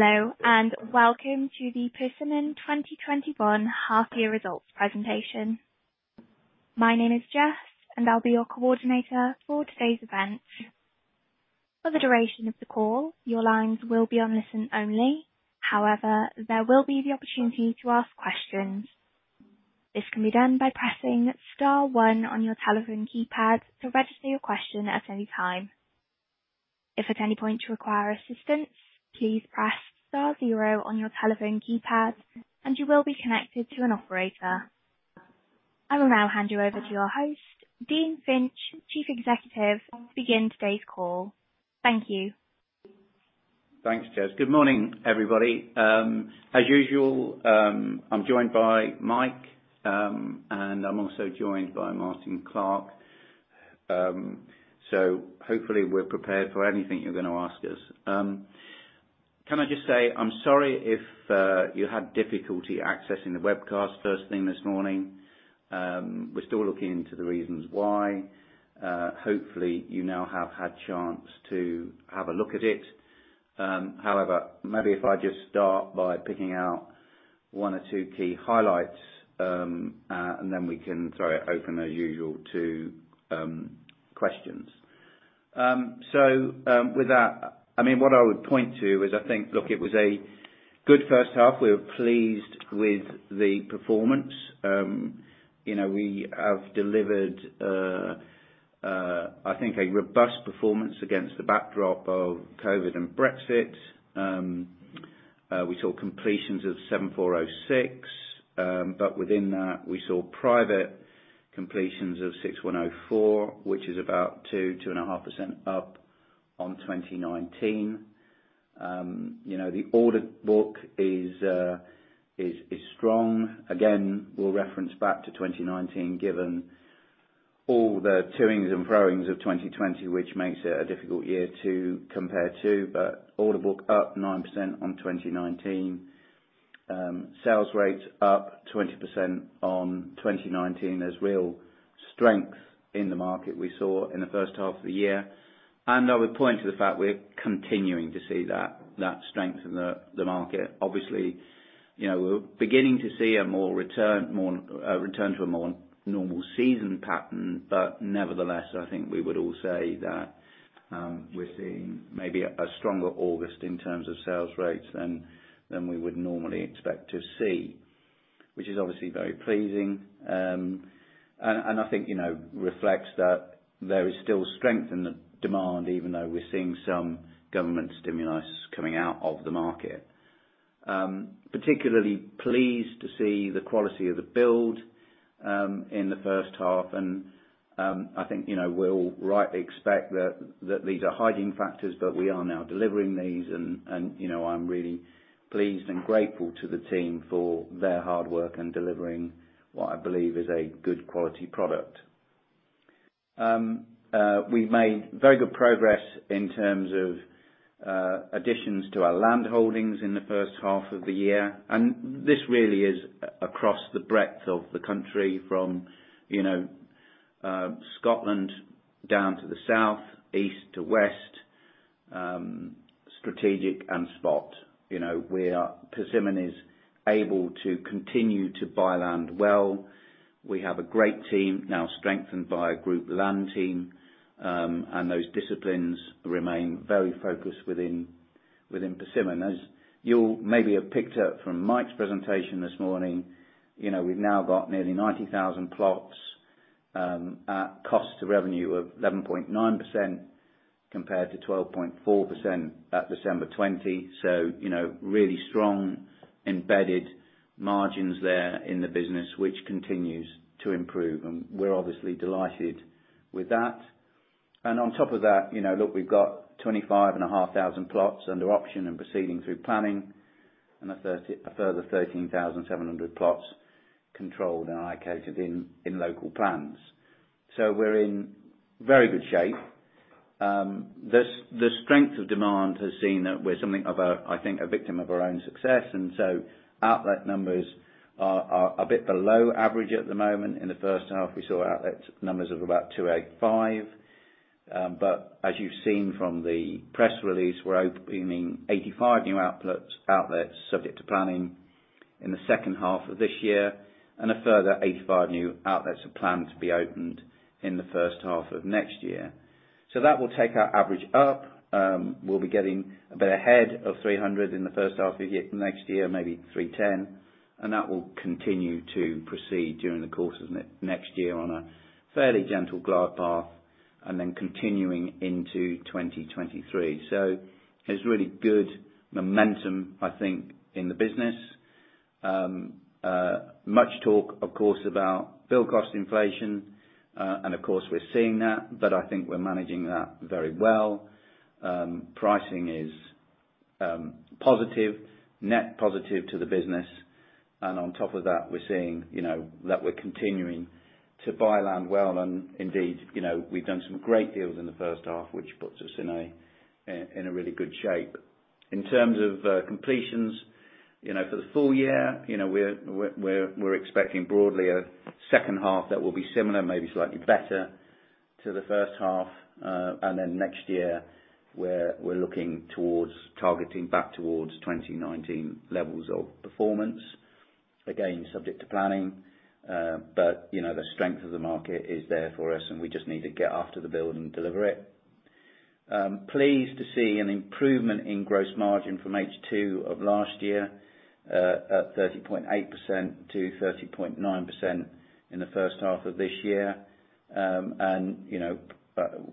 Hello, and welcome to the Persimmon 2021 Half Year Results Presentation. My name is Jess, and I'll be your Coordinator for today's event. For the duration of the call, your lines will be on listen only. However, there will be the opportunity to ask questions. This can be done by pressing star one on your telephone keypad to register your question at any time. If at any point you require assistance, please press star zero on your telephone keypad, and you will be connected to an operator. I will now hand you over to your host, Dean Finch, Chief Executive, to begin today's call. Thank you. Thanks, Jess. Good morning, everybody. As usual, I'm joined by Mike. I'm also joined by Martyn Clark. Hopefully we're prepared for anything you're going to ask us. Can I just say, I'm sorry if you had difficulty accessing the webcast first thing this morning. We're still looking into the reasons why. Hopefully, you now have had chance to have a look at it. Maybe if I just start by picking out one or two key highlights. Then we can, sorry, open as usual to questions. With that, what I would point to is, it was a good first half. We were pleased with the performance. We have delivered a robust performance against the backdrop of COVID and Brexit. We saw completions of 7,406. Within that, we saw private completions of 6,104, which is about 2%-2.5% up on 2019. The order book is strong. We'll reference back to 2019 given all the to-ings and fro-ings of 2020, which makes it a difficult year to compare to, but order book up 9% on 2019. Sales rates up 20% on 2019. There's real strength in the market we saw in the first half of the year. I would point to the fact we're continuing to see that strength in the market. Obviously, we're beginning to see a return to a more normal season pattern. Nevertheless, I think we would all say that we're seeing maybe a stronger August in terms of sales rates than we would normally expect to see, which is obviously very pleasing. I think reflects that there is still strength in the demand, even though we're seeing some government stimulus coming out of the market. Particularly pleased to see the quality of the build in the first half. I think we all rightly expect that these are hygiene factors. We are now delivering these. I'm really pleased and grateful to the team for their hard work in delivering what I believe is a good quality product. We've made very good progress in terms of additions to our land holdings in the first half of the year. This really is across the breadth of the country from Scotland down to the south, east to west, strategic and spot. Persimmon is able to continue to buy land well. We have a great team, now strengthened by a group land team. Those disciplines remain very focused within Persimmon. As you maybe have picked up from Mike's presentation this morning, we've now got nearly 90,000 plots at cost to revenue of 11.9% compared to 12.4% at December 2020. Really strong embedded margins there in the business, which continues to improve, and we're obviously delighted with that. On top of that, look, we've got 25,500 plots under option and proceeding through planning and a further 13,700 plots controlled and allocated in local plans. We're in very good shape. The strength of demand has seen that we're something of a victim of our own success, and so outlet numbers are a bit below average at the moment. In the first half, we saw outlet numbers of about 285. As you've seen from the press release, we're opening 85 new outlets subject to planning in the second half of this year and a further 85 new outlets are planned to be opened in the first half of next year. That will take our average up. We'll be getting a bit ahead of 300 in the first half of next year, maybe 310, and that will continue to proceed during the course of next year on a fairly gentle glide path and then continuing into 2023. There's really good momentum, I think, in the business. Much talk, of course, about build cost inflation. Of course, we're seeing that, but I think we're managing that very well. Pricing is positive, net positive to the business, and on top of that, we're seeing that we're continuing to buy land well, and indeed, we've done some great deals in the first half, which puts us in a really good shape. In terms of completions, for the full year, we're expecting broadly a second half that will be similar, maybe slightly better to the first half. Next year, we're looking towards targeting back towards 2019 levels of performance. Again, subject to planning. The strength of the market is there for us, and we just need to get after the build and deliver it. Pleased to see an improvement in gross margin from H2 of last year, at 30.8%-30.9% in the first half of this year.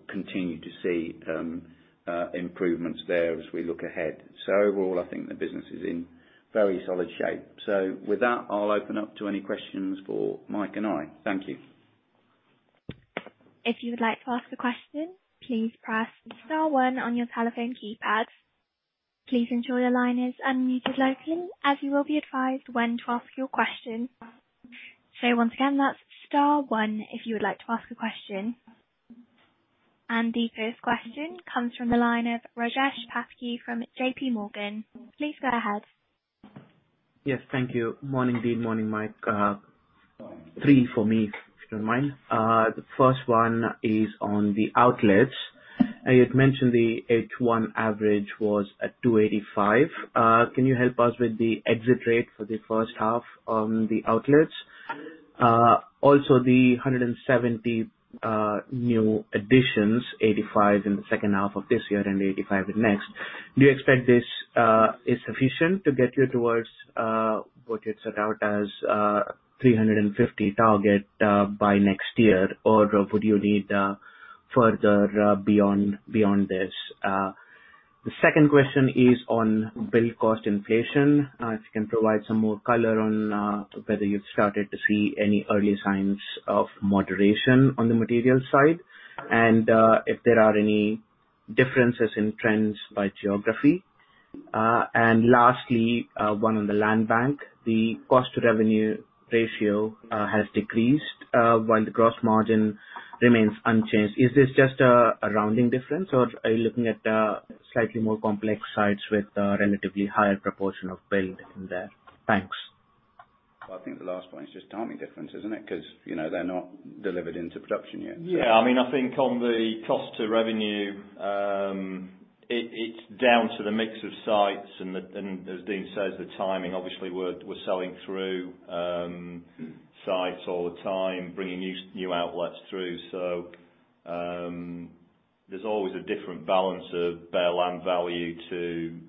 Continue to see improvements there as we look ahead. Overall, I think the business is in very solid shape. With that, I'll open up to any questions for Mike and I. Thank you. The first question comes from the line of Rajesh Patki from JPMorgan. Please go ahead. Yes, thank you. Morning, Dean. Morning, Mike. Three for me, if you don't mind. The first one is on the outlets. You had mentioned the H1 average was at 285. Can you help us with the exit rate for the first half on the outlets? Also the 170 new additions, 85 in the second half of this year and 85 in next. Do you expect this is sufficient to get you towards what you'd set out as 350 target by next year? Or would you need further beyond this? The second question is on build cost inflation. If you can provide some more color on whether you've started to see any early signs of moderation on the material side and if there are any differences in trends by geography. Lastly, one on the land bank. The cost to revenue ratio has decreased while the gross margin remains unchanged. Is this just a rounding difference, or are you looking at slightly more complex sites with a relatively higher proportion of build in there? Thanks. I think the last point is just timing difference, isn't it? Because they're not delivered into production yet. Yeah, I think on the cost to revenue, it's down to the mix of sites and as Dean says, the timing. Obviously, we're selling through sites all the time, bringing new outlets through. There's always a different balance of bare land value to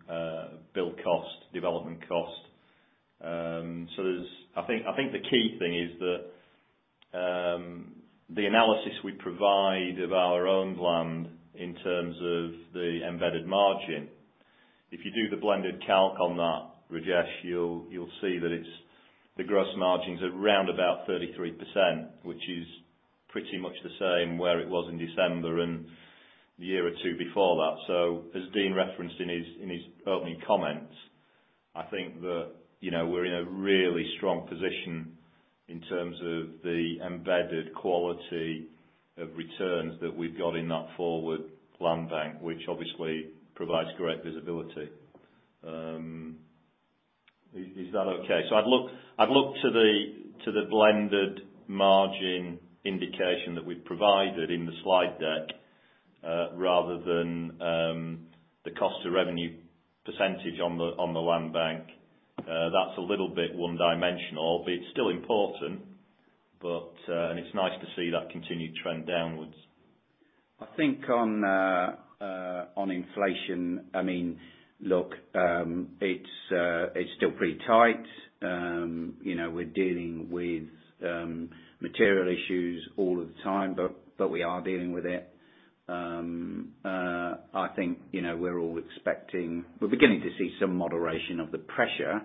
build cost, development cost. I think the key thing is that the analysis we provide of our own land in terms of the embedded margin, if you do the blended calc on that, Rajesh, you'll see that the gross margin's around about 33%, which is pretty much the same where it was in December and the year or two before that. As Dean referenced in his opening comments, I think that we're in a really strong position in terms of the embedded quality of returns that we've got in that forward land bank, which obviously provides great visibility. Is that okay? I'd look to the blended margin indication that we've provided in the slide deck, rather than the cost to revenue percentage on the land bank. That's a little bit one-dimensional. It's still important, and it's nice to see that continued trend downwards. I think on inflation, look, it's still pretty tight. We're dealing with material issues all of the time, but we are dealing with it. I think we're all We're beginning to see some moderation of the pressure,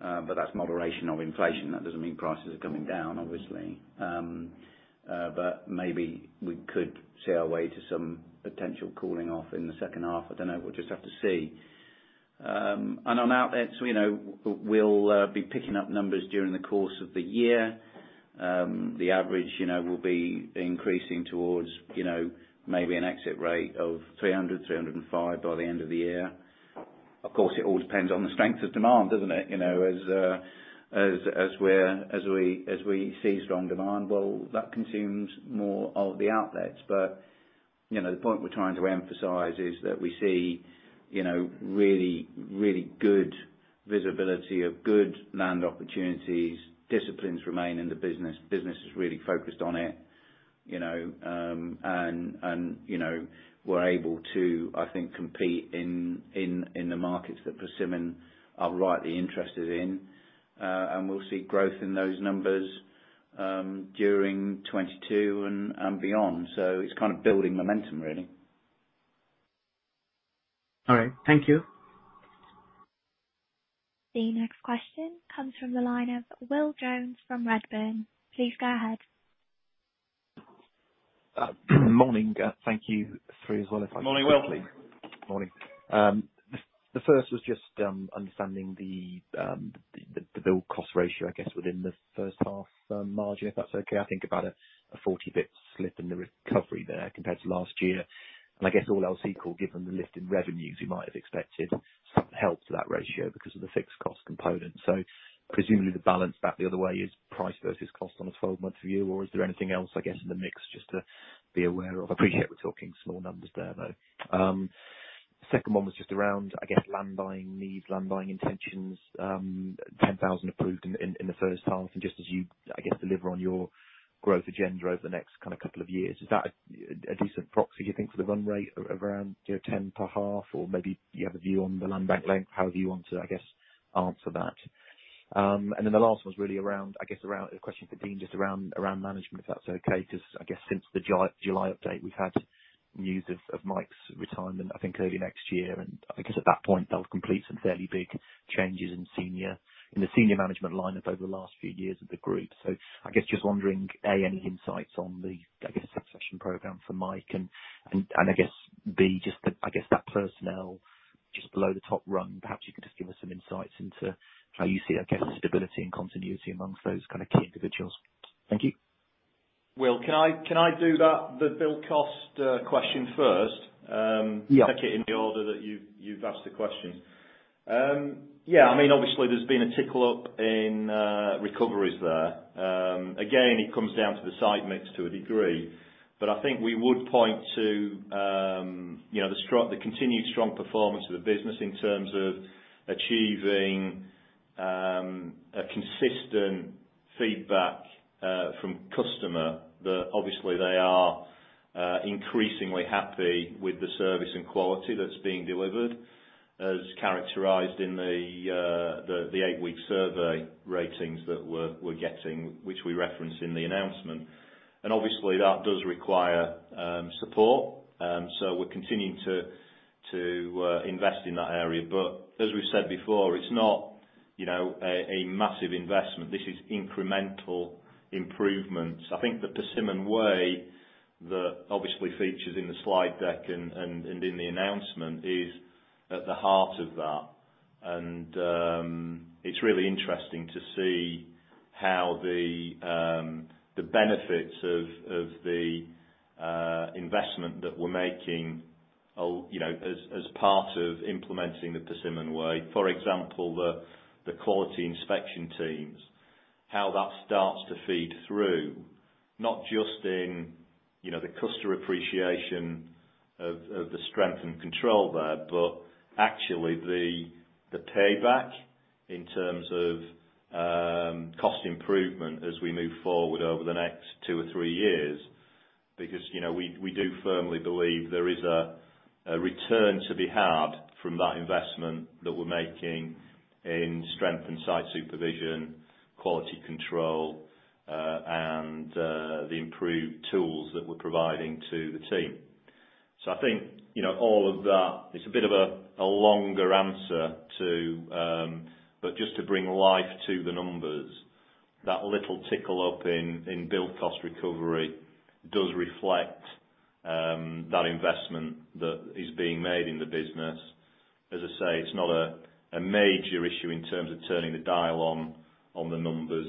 but that's moderation of inflation. That doesn't mean prices are coming down, obviously. Maybe we could see our way to some potential cooling off in the second half. I don't know. We'll just have to see. On outlets, we'll be picking up numbers during the course of the year. The average will be increasing towards maybe an exit rate of 300, 305 by the end of the year. Of course, it all depends on the strength of demand, doesn't it? As we see strong demand, well, that consumes more of the outlets. The point we're trying to emphasize is that we see really good visibility of good land opportunities. Disciplines remain in the business. Business is really focused on it. We're able to, I think, compete in the markets that Persimmon are rightly interested in. We'll see growth in those numbers during 2022 and beyond. It's building momentum, really. All right. Thank you. The next question comes from the line of Will Jones from Redburn. Please go ahead. Morning. Thank you. Three as well if I could please. Morning, Will. Morning. The first was just understanding the build cost ratio, I guess, within the first half margin, if that's okay. I think about a 40 basis point slip in the recovery there compared to last year. I guess all else equal, given the lift in revenues, you might have expected some help to that ratio because of the fixed cost component. Presumably the balance back the other way is price versus cost on a 12-month view, or is there anything else, I guess, in the mix just to be aware of? I appreciate we're talking small numbers there, though. Second one was just around, I guess land buying needs, land buying intentions, 10,000 approved in the first half. Just as you, I guess, deliver on your growth agenda over the next kind of couple of years, is that a decent proxy, do you think, for the run rate around 10 per half? Maybe you have a view on the land bank length, however you want to, I guess, answer that. The last one's really a question for Dean just around management, if that's okay. I guess since the July update, we've had news of Mike's retirement, I think early next year. I guess at that point, that'll complete some fairly big changes in the senior management lineup over the last few years of the group. I guess just wondering, A, any insights on the, I guess, succession program for Mike and, B, just I guess that personnel just below the top rung, perhaps you can just give us some insights into how you see, I guess, the stability and continuity amongst those kind of key individuals? Thank you. Will, can I do that, the build cost question first? Yeah. Take it in the order that you've asked the question. Yeah. There's been a tickle up in recoveries there. It comes down to the site mix to a degree, we would point to the continued strong performance of the business in terms of achieving a consistent feedback from customer, that obviously they are increasingly happy with the service and quality that's being delivered, as characterized in the eight-week survey ratings that we're getting, which we reference in the announcement. Obviously that does require support. We're continuing to invest in that area. As we've said before, it's not a massive investment. This is incremental improvements. I think The Persimmon Way that obviously features in the slide deck and in the announcement is at the heart of that. It's really interesting to see how the benefits of the investment that we're making as part of implementing The Persimmon Way, for example, the quality inspection teams, how that starts to feed through, not just in the customer appreciation of the strength and control there, but actually the payback in terms of cost improvement as we move forward over the next two or three years. We do firmly believe there is a return to be had from that investment that we're making in strength and site supervision, quality control, and the improved tools that we're providing to the team. I think all of that is a bit of a longer answer to. Just to bring life to the numbers, that little tickle up in build cost recovery does reflect that investment that is being made in the business. As I say, it's not a major issue in terms of turning the dial on the numbers.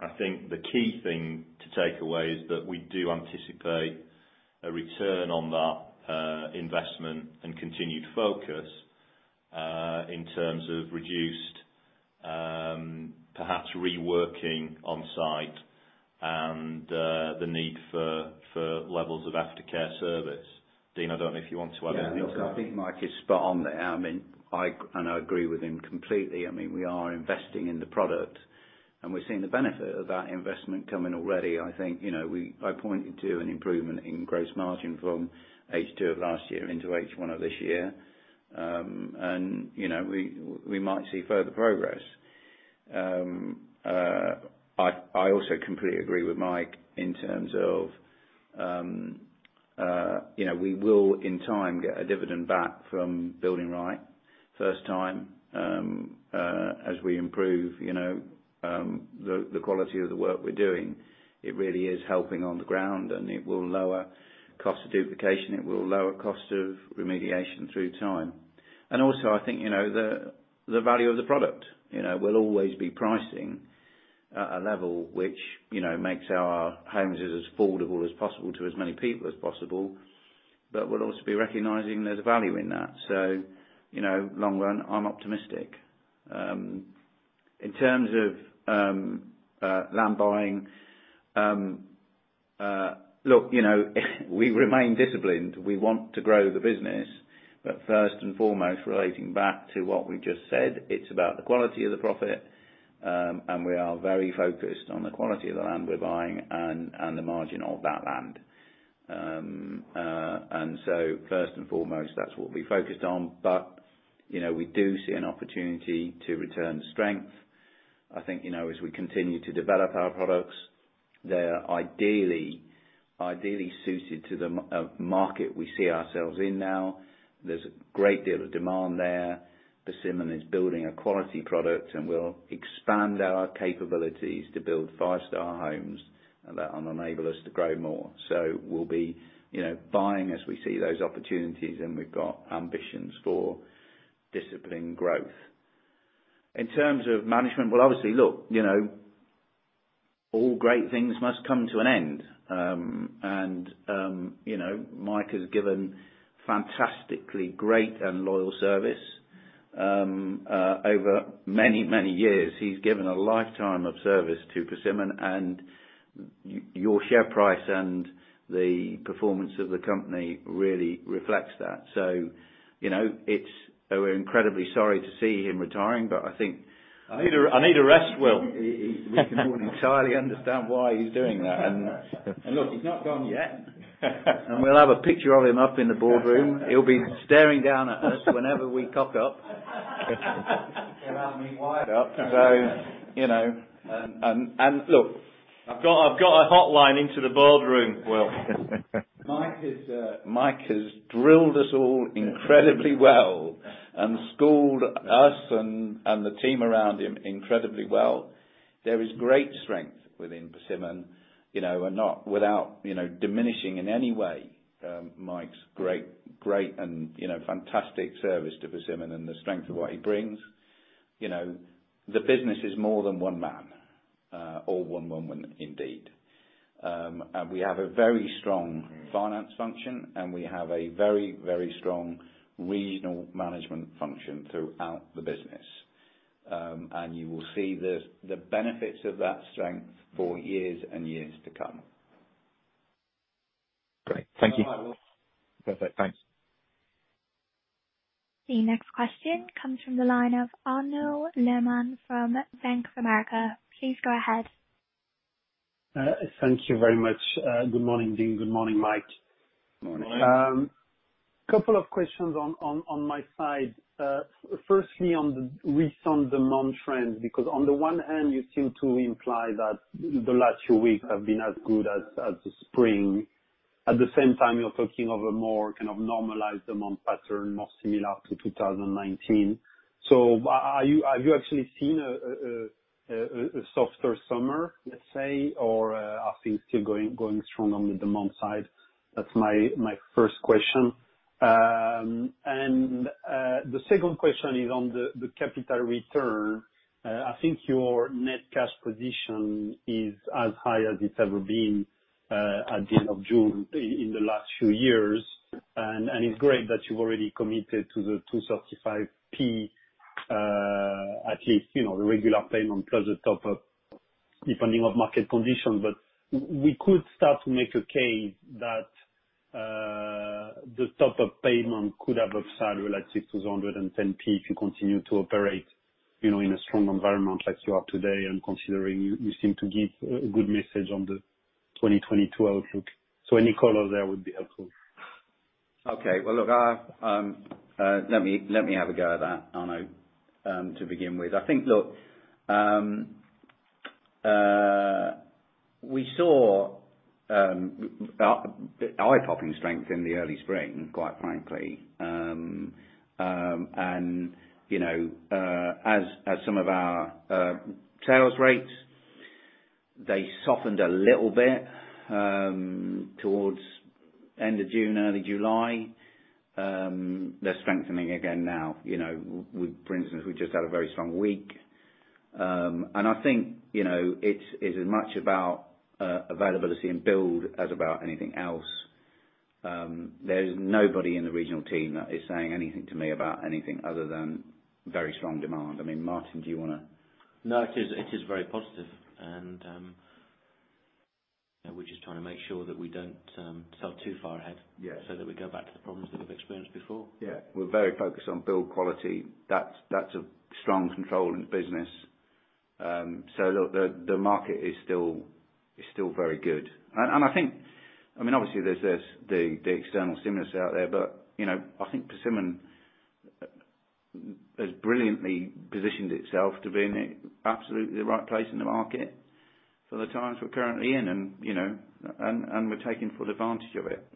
I think the key thing to take away is that we do anticipate a return on that investment and continued focus, in terms of reduced perhaps reworking on site and the need for levels of aftercare service. Dean, I don't know if you want to add anything to that. Yeah, look, I think Mike is spot on there. I agree with him completely. We are investing in the product, and we're seeing the benefit of that investment coming already. I think I pointed to an improvement in gross margin from H2 of last year into H1 of this year. We might see further progress. I also completely agree with Mike in terms of, we will, in time, get a dividend back from building right first time. As we improve the quality of the work we're doing, it really is helping on the ground, and it will lower cost of duplication, it will lower cost of remediation through time. Also, I think, the value of the product. We'll always be pricing a level which makes our homes as affordable as possible to as many people as possible, but we'll also be recognizing there's a value in that. Long run, I'm optimistic. In terms of land buying, look, we remain disciplined. We want to grow the business, but first and foremost, relating back to what we just said, it's about the quality of the profit. We are very focused on the quality of the land we're buying and the margin of that land. First and foremost, that's what we're focused on. We do see an opportunity to return strength. I think as we continue to develop our products, they are ideally suited to the market we see ourselves in now. There's a great deal of demand there. Persimmon is building a quality product, and we'll expand our capabilities to build five-star homes that will enable us to grow more. We'll be buying as we see those opportunities, and we've got ambitions for disciplined growth. In terms of management, well, obviously, All great things must come to an end. Martyn has given fantastically great and loyal service, over many, many years. He's given a lifetime of service to Persimmon, and your share price and the performance of the company really reflects that. We're incredibly sorry to see him retiring. I need a rest, Will. We can all entirely understand why he's doing that. Look, he's not gone yet. We'll have a picture of him up in the boardroom. He'll be staring down at us whenever we're cocked up. You can have me wired up. Look, I've got a hotline into the boardroom, Will. Mike has drilled us all incredibly well and schooled us and the team around him incredibly well. There is great strength within Persimmon, and not without diminishing in any way Mike's great, and fantastic service to Persimmon and the strength of what he brings. The business is more than one man, or one woman indeed. We have a very strong finance function, and we have a very, very strong regional management function throughout the business. You will see the benefits of that strength for years and years to come. Great. Thank you. Bye, Will. Perfect. Thanks. The next question comes from the line of Arnaud Lehmann from Bank of America. Please go ahead. Thank you very much. Good morning, Dean. Good morning, Mike. Morning. Morning. Couple of questions on my side. Firstly, on the recent demand trends, because on the one hand, you seem to imply that the last few weeks have been as good as the spring. At the same time, you're talking of a more kind of normalized demand pattern, more similar to 2019. Have you actually seen a softer summer, let's say? Or are things still going strong on the demand side? That's my first question. The second question is on the capital return. I think your net cash position is as high as it's ever been, at the end of June in the last few years. It's great that you've already committed to the 235p, at least, the regular payment plus the top-up, depending on market conditions. We could start to make a case that the top-up payment could have upside, like say, to 2.10 if you continue to operate in a strong environment like you are today and considering you seem to give a good message on the 2022 outlook. Any color there would be helpful. Okay. Well, look, let me have a go at that, Arnaud. To begin with, I think, look, we saw eye-popping strength in the early spring, quite frankly. As some of our sales rates, they softened a little bit towards end of June, early July. They're strengthening again now. For instance, we just had a very strong week. I think it's as much about availability and build as about anything else. There's nobody in the regional team that is saying anything to me about anything other than very strong demand. Martyn, do you want to? No, it is very positive, and we're just trying to make sure that we don't sell too far ahead. Yeah. That we go back to the problems that we've experienced before. Yeah. We're very focused on build quality. That's a strong control in the business. Look, the market is still very good. I think, obviously there's the external stimulus out there, but I think Persimmon has brilliantly positioned itself to be in absolutely the right place in the market for the times we're currently in, and we're taking full advantage of it.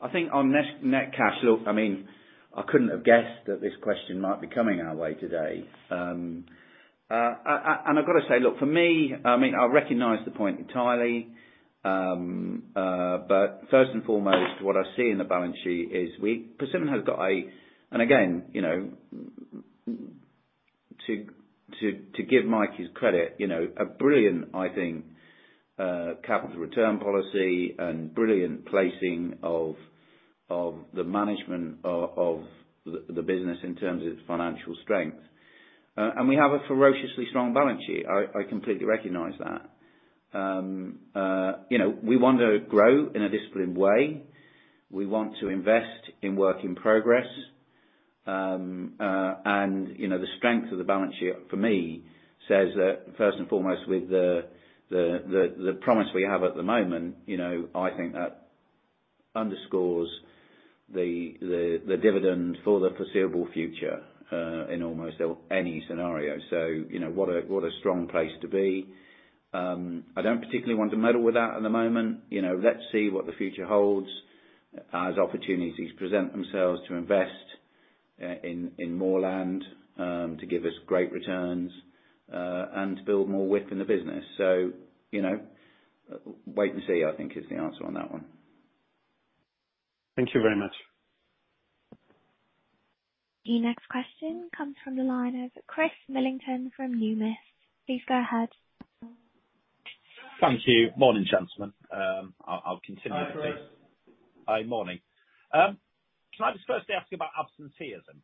I think on net cash look, I couldn't have guessed that this question might be coming our way today. I've got to say, look, for me, I recognize the point entirely. First and foremost, what I see in the balance sheet is Persimmon. Again, to give Mike his credit, a brilliant, I think, capital return policy and brilliant placing of the management of the business in terms of its financial strength. We have a ferociously strong balance sheet. I completely recognize that. We want to grow in a disciplined way. We want to invest in work in progress. The strength of the balance sheet for me says that first and foremost with the promise we have at the moment, I think that underscores the dividend for the foreseeable future in almost any scenario. What a strong place to be. I don't particularly want to meddle with that at the moment. Let's see what the future holds as opportunities present themselves to invest in more land, to give us great returns, and to build more width in the business. Wait and see, I think is the answer on that one. Thank you very much. Your next question comes from the line of Chris Millington from Numis. Please go ahead. Thank you. Morning, gentlemen. I'll continue with the... Hi, Chris. Hi. Morning. Can I just firstly ask you about absenteeism?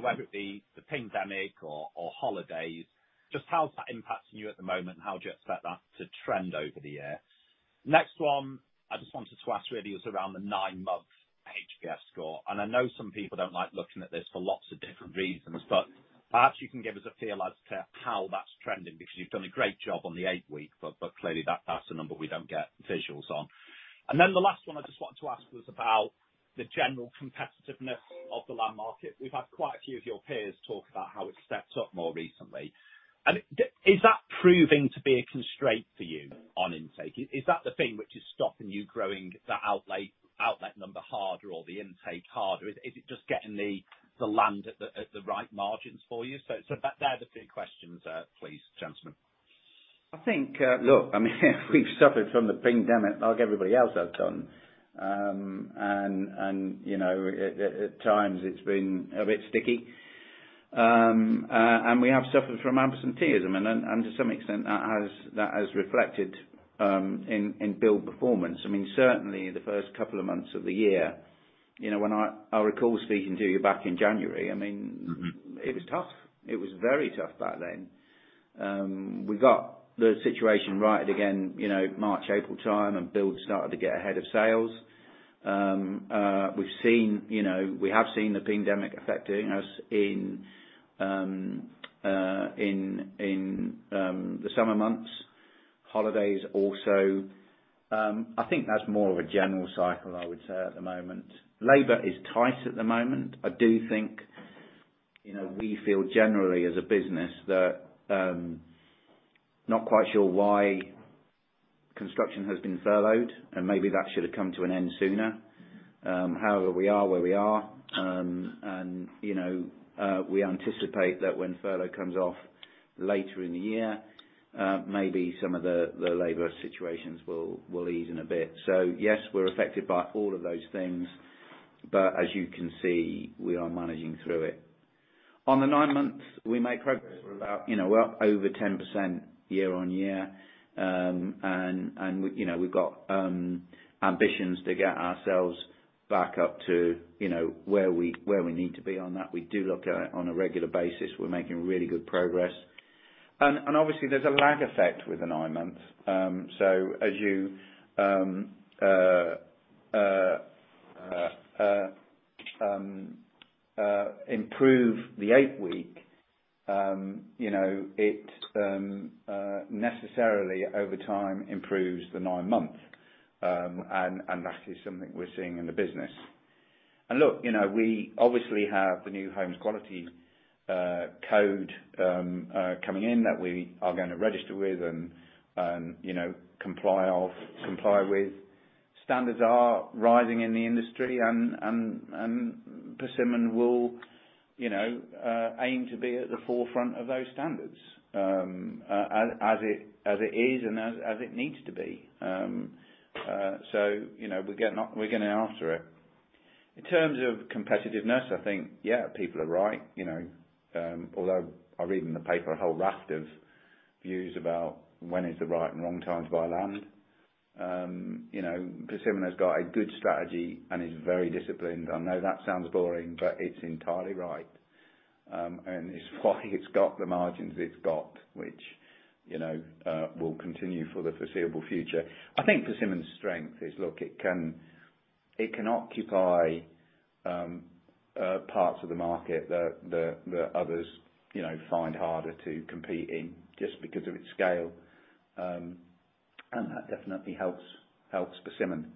Whether it be the pandemic or holidays, just how's that impacting you at the moment, and how do you expect that to trend over the year? The next one I just wanted to ask really was around the nine months HBF score. I know some people don't like looking at this for lots of different reasons, but perhaps you can give us a feel as to how that's trending, because you've done a great job on the eight week, but clearly that's a number we don't get visuals on. The last one I just wanted to ask was about the general competitiveness of the land market. We've had quite a few of your peers talk about how it's stepped up more recently. Is that proving to be a constraint for you on intake? Is that the thing which is stopping you growing the outlet number harder or the intake harder? Is it just getting the land at the right margins for you? They're the three questions, please, gentlemen. I think, look, we've suffered from the pandemic like everybody else has done. At times it's been a bit sticky. We have suffered from absenteeism, and to some extent, that has reflected in build performance. Certainly in the first couple of months of the year. When I recall speaking to you back in January. It was tough. It was very tough back then. We got the situation right again March, April time, build started to get ahead of sales. We have seen the pandemic affecting us in the summer months. Holidays also. I think that's more of a general cycle, I would say, at the moment. Labor is tight at the moment. I do think we feel generally as a business that, not quite sure why construction has been furloughed, maybe that should have come to an end sooner. However, we are where we are. We anticipate that when furlough comes off later in the year, maybe some of the labor situations will even a bit. Yes, we're affected by all of those things. As you can see, we are managing through it. On the nine months, we made progress. We're up over 10% year-on-year. We've got ambitions to get ourselves back up to where we need to be on that. We do look at it on a regular basis. We're making really good progress. Obviously, there's a lag effect with the nine months. As you improve the eight week, it necessarily over time improves the nine month. That is something we're seeing in the business. Look, we obviously have the New Homes Quality Code coming in that we are going to register with and comply with. Standards are rising in the industry and Persimmon will aim to be at the forefront of those standards, as it is and as it needs to be. We're going after it. In terms of competitiveness, I think yeah, people are right. I read in the paper a whole raft of views about when is the right and wrong time to buy land. Persimmon has got a good strategy and is very disciplined. I know that sounds boring, but it's entirely right. It's why it's got the margins it's got, which will continue for the foreseeable future. I think Persimmon's strength is, look, it can occupy parts of the market that others find harder to compete in just because of its scale. That definitely helps Persimmon.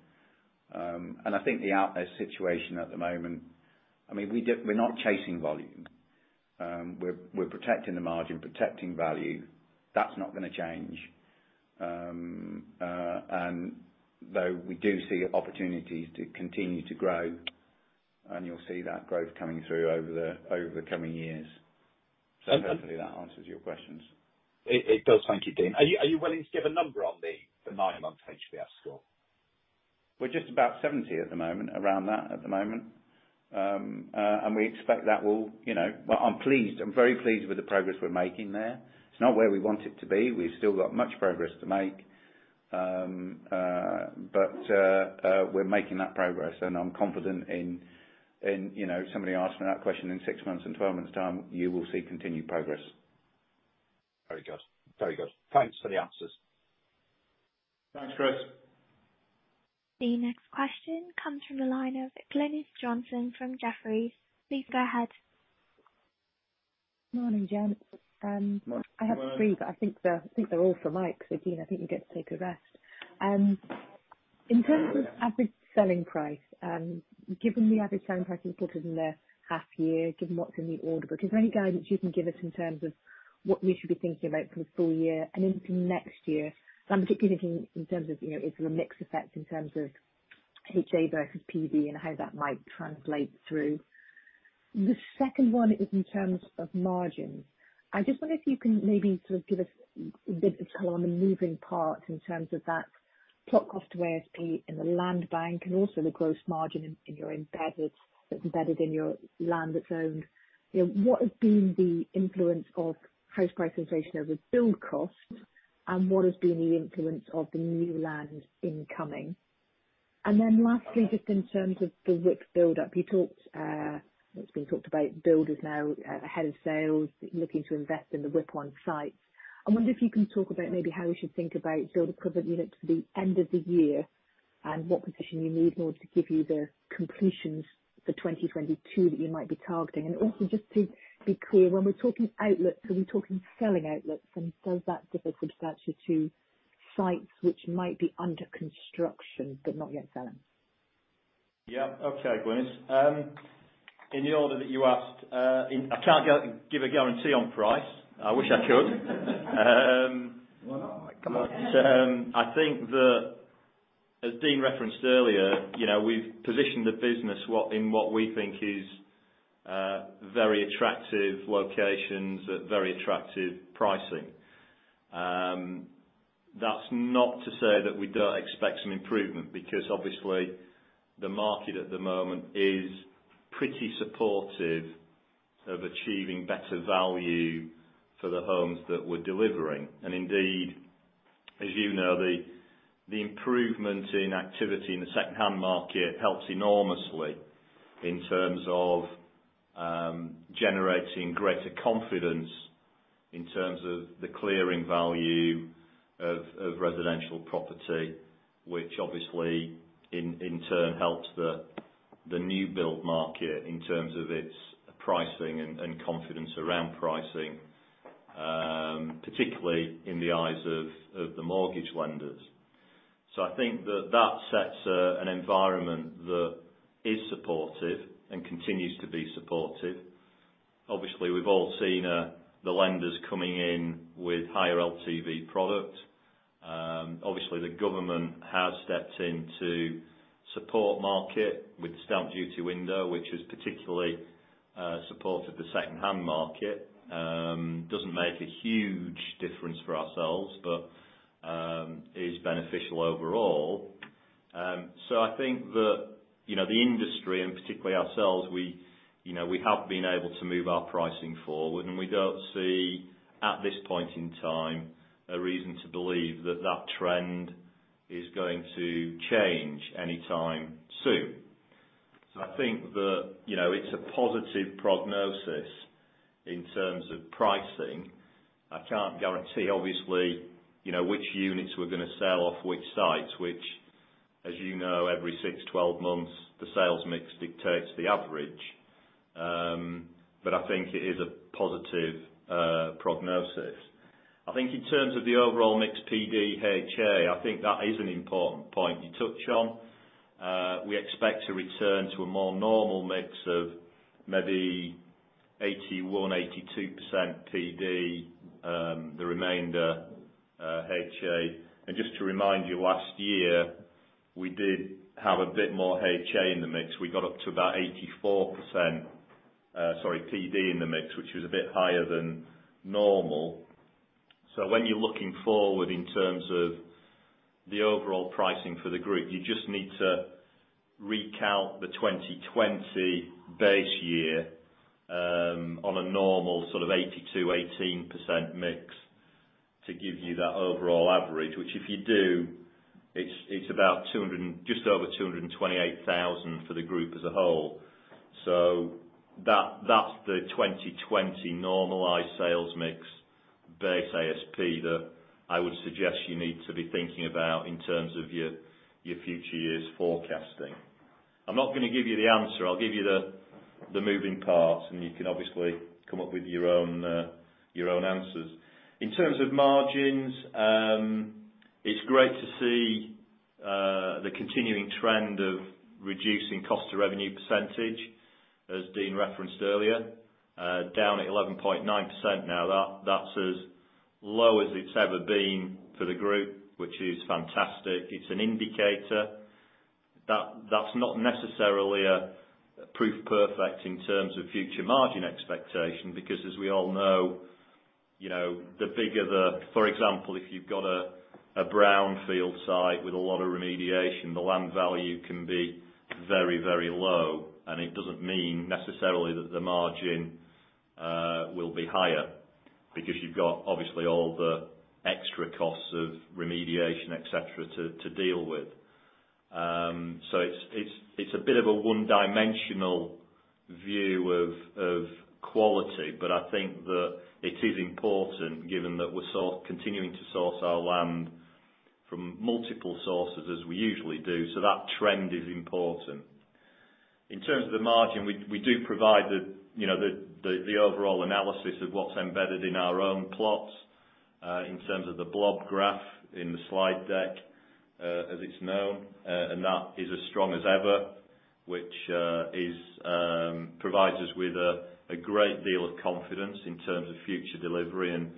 I think the outlet situation at the moment, we're not chasing volume. We're protecting the margin, protecting value. That's not going to change. Though we do see opportunities to continue to grow, and you'll see that growth coming through over the coming years. Hopefully that answers your questions. It does. Thank you, Dean. Are you willing to give a number on the nine-month HBF score? We're just about 70 at the moment, around that at the moment. Well, I'm very pleased with the progress we're making there. It's not where we want it to be. We've still got much progress to make. We're making that progress and I'm confident in, somebody asking that question in six months. In 12 months time, you will see continued progress. Very good. Thanks for the answers. Thanks, Chris. The next question comes from the line of Glynis Johnson from Jefferies. Please go ahead. Morning, gents. Morning. I have three, but I think they're all for Mike. Dean, I think you get to take a rest. In terms of Average Selling Price, given the Average Selling Price you put in the half year, given what's in the order book, is there any guidance you can give us in terms of what we should be thinking about for the full year and into next year? I'm particularly thinking in terms of, is there a mix effect in terms of HA versus PD and how that might translate through? The second one is in terms of margins. I just wonder if you can maybe sort of give us a bit of color on the moving parts in terms of that Plot cost to ASP in the land bank and also the gross margin that's embedded in your land that's owned. What has been the influence of house price inflation over build cost, and what has been the influence of the new land incoming? Lastly, just in terms of the WIP build up, it's been talked about builders now ahead of sales, looking to invest in the WIP on sites. I wonder if you can talk about maybe how we should think about builder covered units for the end of the year and what position you need in order to give you the completions for 2022 that you might be targeting? Also, just to be clear, when we're talking outlets, are we talking selling outlets? Does that give a good stature to sites which might be under construction but not yet selling? Yeah. Okay, Glynis. In the order that you asked, I can't give a guarantee on price. I wish I could. Why not? Come on. I think that as Dean referenced earlier, we've positioned the business in what we think is very attractive locations at very attractive pricing. That's not to say that we don't expect some improvement because obviously the market at the moment is pretty supportive of achieving better value for the homes that we're delivering. Indeed, as you know, the improvement in activity in the secondhand market helps enormously in terms of generating greater confidence in terms of the clearing value of residential property, which obviously in turn helps the new build market in terms of its pricing and confidence around pricing, particularly in the eyes of the mortgage lenders. I think that that sets an environment that is supportive and continues to be supportive. We've all seen the lenders coming in with higher LTV product. The government has stepped in to support market with the Stamp Duty window, which has particularly supported the secondhand market. Doesn't make a huge difference for ourselves, but is beneficial overall. I think that the industry, and particularly ourselves, we have been able to move our pricing forward, and we don't see at this point in time a reason to believe that that trend is going to change anytime soon. I think that it's a positive prognosis in terms of pricing. I can't guarantee, obviously, which units we're going to sell off which sites, which, as you know, every six, 12 months, the sales mix dictates the average. I think it is a positive prognosis. I think in terms of the overall mix PD/HA, I think that is an important point you touch on. We expect to return to a more normal mix of maybe 81%-82% PD, the remainder HA. Just to remind you, last year we did have a bit more HA in the mix. We got up to about 84%, sorry, PD in the mix, which was a bit higher than normal. When you're looking forward in terms of the overall pricing for the group, you just need to recount the 2020 base year on a normal sort of 82%/18% mix to give you that overall average, which if you do, it's just over 228,000 for the group as a whole. That's the 2020 normalized sales mix base ASP that I would suggest you need to be thinking about in terms of your future years forecasting. I'm not going to give you the answer. I'll give you the moving parts, and you can obviously come up with your own answers. In terms of margins, it's great to see the continuing trend of reducing cost to revenue percentage, as Dean referenced earlier. Down at 11.9% now. That's as low as it's ever been for the group, which is fantastic. It's an indicator. That's not necessarily a proof perfect in terms of future margin expectation, because as we all know, for example, if you've got a brownfield site with a lot of remediation, the land value can be very, very low, and it doesn't mean necessarily that the margin will be higher because you've got obviously all the extra costs of remediation, et cetera, to deal with. It's a bit of a one-dimensional view of quality, but I think that it is important given that we're continuing to source our land from multiple sources as we usually do. That trend is important. In terms of the margin, we do provide the overall analysis of what's embedded in our own plots, in terms of the blob graph in the slide deck, as it's known. That is as strong as ever, which provides us with a great deal of confidence in terms of future delivery and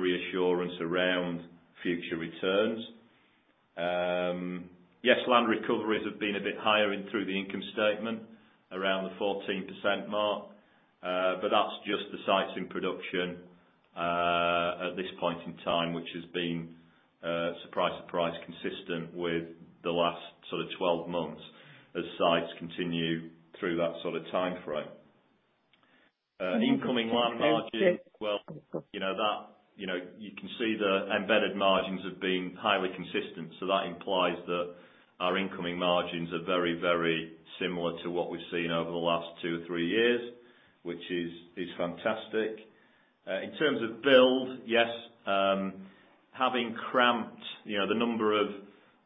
reassurance around future returns. Yes, land recoveries have been a bit higher in through the income statement, around the 14% mark. That's just the sites in production at this point in time, which has been, surprise, consistent with the last 12 months as sites continue through that timeframe. Incoming land margin, you can see the embedded margins have been highly consistent, that implies that our incoming margins are very similar to what we've seen over the last two or three years, which is fantastic. In terms of build, yes,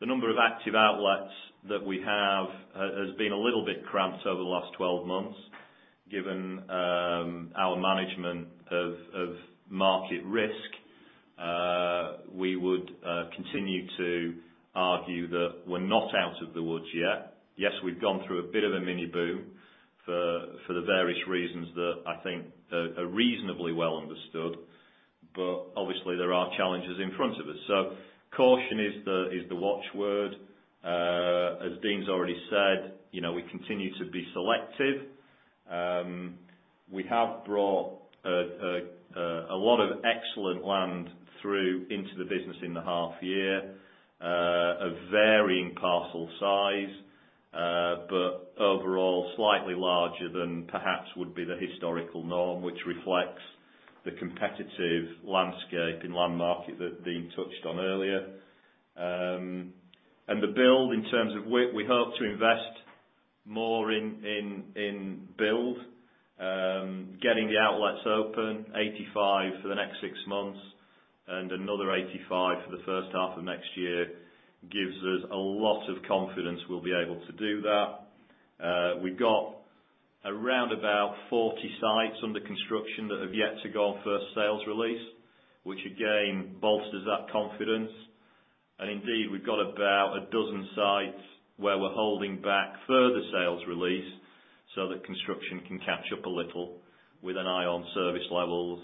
the number of active outlets that we have has been a little bit cramped over the last 12 months, given our management of market risk. We would continue to argue that we're not out of the woods yet. Yes, we've gone through a bit of a mini boom for the various reasons that I think are reasonably well understood, but obviously there are challenges in front of us. Caution is the watch word. As Dean's already said, we continue to be selective. We have brought a lot of excellent land through into the business in the half year of varying parcel size, but overall slightly larger than perhaps would be the historical norm, which reflects the competitive landscape and land market that Dean touched on earlier. The build, we hope to invest more in build. Getting the outlets open, 85 for the next six months and another 85 for the first half of next year gives us a lot of confidence we'll be able to do that. We got around about 40 sites under construction that have yet to go on first sales release, which again bolsters that confidence. Indeed, we've got about a dozen sites where we're holding back further sales release so that construction can catch up a little with an eye on service levels,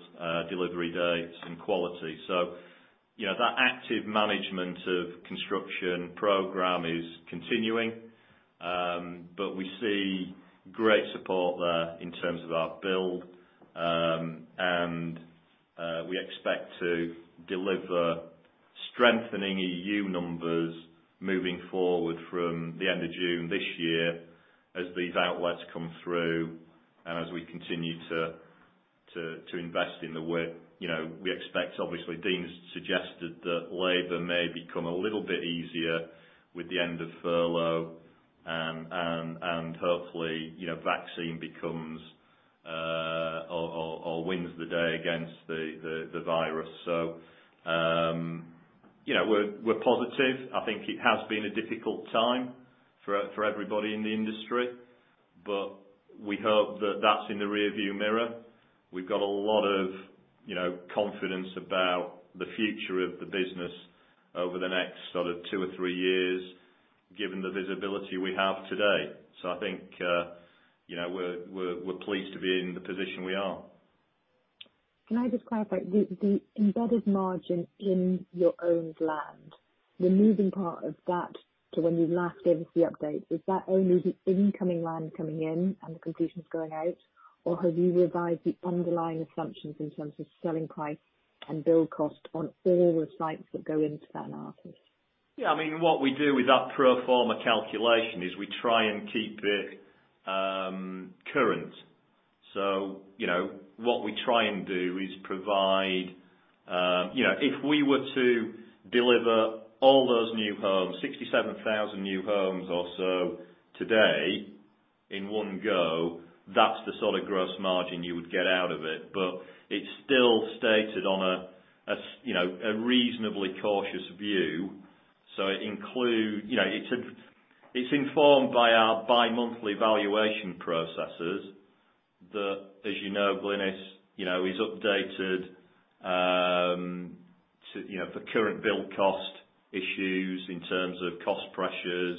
delivery dates, and quality. That active management of construction program is continuing. We see great support there in terms of our build. We expect to deliver strengthening EUC numbers moving forward from the end of June this year as these outlets come through and as we continue to invest in the work. We expect, obviously, Dean's suggested that labor may become a little bit easier with the end of furlough and hopefully, vaccine becomes or wins the day against the virus. We're positive. I think it has been a difficult time for everybody in the industry, but we hope that that's in the rear view mirror. We've got a lot of confidence about the future of the business over the next two or three years, given the visibility we have today. I think we're pleased to be in the position we are. Can I just clarify? The embedded margin in your owned land, the moving part of that to when you last gave us the update, is that only the incoming land coming in and the completions going out? Or have you revised the underlying assumptions in terms of selling price and build cost on all the sites that go into that analysis? What we do with that pro forma calculation is we try and keep it current. What we try and do is provide If we were to deliver all those new homes, 67,000 new homes or so today in one go, that's the sort of gross margin you would get out of it. It's still stated on a reasonably cautious view. It's informed by our bimonthly valuation processes that, as you know, Glynis is updated for current build cost issues in terms of cost pressures,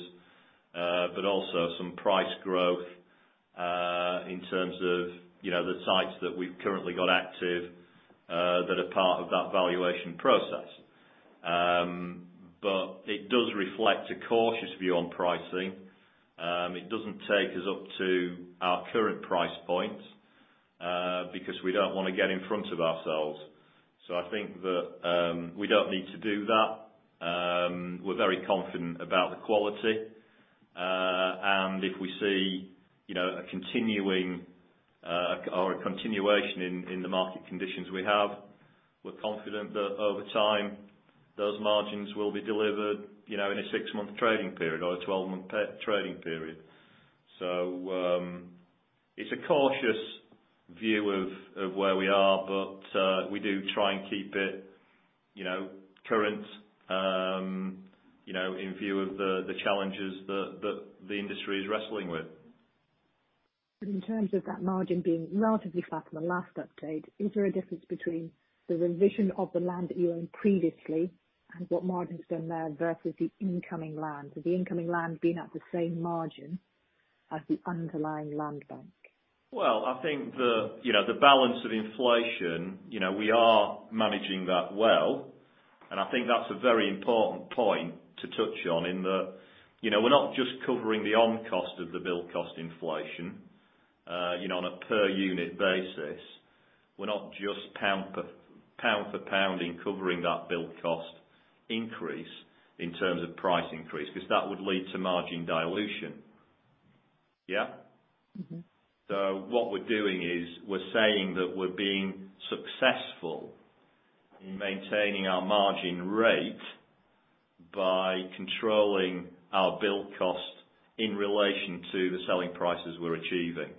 but also some price growth in terms of the sites that we've currently got active that are part of that valuation process. It does reflect a cautious view on pricing. It doesn't take us up to our current price point, because we don't want to get in front of ourselves. I think that we don't need to do that. We're very confident about the quality. If we see a continuing or a continuation in the market conditions we have, we're confident that over time, those margins will be delivered in a six-month trading period or a 12-month trading period. It's a cautious view of where we are, but we do try and keep it current in view of the challenges that the industry is wrestling with. In terms of that margin being relatively flat from the last update, is there a difference between the revision of the land that you owned previously and what margin has been there versus the incoming land? Has the incoming land been at the same margin as the underlying land bank? Well, I think the balance of inflation, we are managing that well. I think that's a very important point to touch on in that, we're not just covering the on-cost of the build cost inflation, on a per unit basis. We're not just pound for pound in covering that build cost increase in terms of price increase, because that would lead to margin dilution. Yeah? What we're doing is, we're saying that we're being successful in maintaining our margin rate by controlling our build cost in relation to the selling prices we're achieving.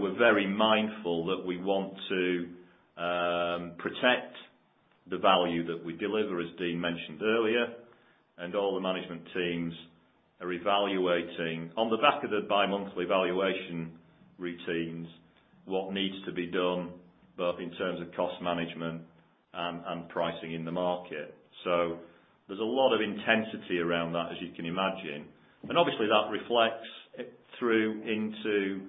We're very mindful that we want to protect the value that we deliver, as Dean mentioned earlier, and all the management teams are evaluating, on the back of the bimonthly valuation routines, what needs to be done, both in terms of cost management and pricing in the market. There's a lot of intensity around that, as you can imagine. Obviously that reflects through into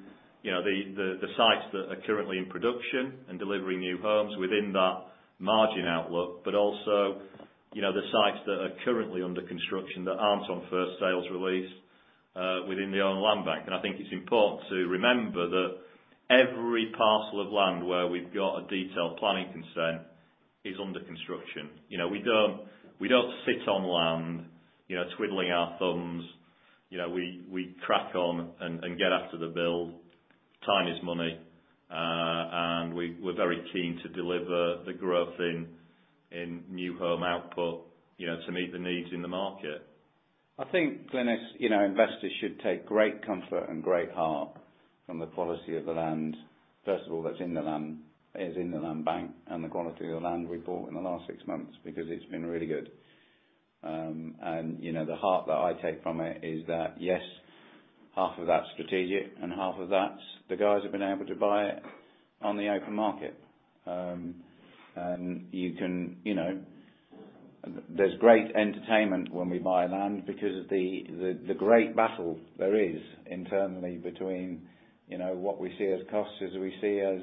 the sites that are currently in production and delivering new homes within that margin outlook, but also the sites that are currently under construction that aren't on first sales release within the owned land bank. I think it's important to remember that every parcel of land where we've got a detailed planning consent is under construction. We don't sit on land twiddling our thumbs. We crack on and get after the build. Time is money. We're very keen to deliver the growth in new home output, to meet the needs in the market. I think Glyn, investors should take great comfort and great heart from the policy of the land, first of all, that's in the land bank and the quality of the land we bought in the last six months, because it's been really good. The heart that I take from it is that, yes, half of that's strategic and half of that's the guys have been able to buy it on the open market. There's great entertainment when we buy land because of the great battle there is,, internally between what we see as costs, as we see as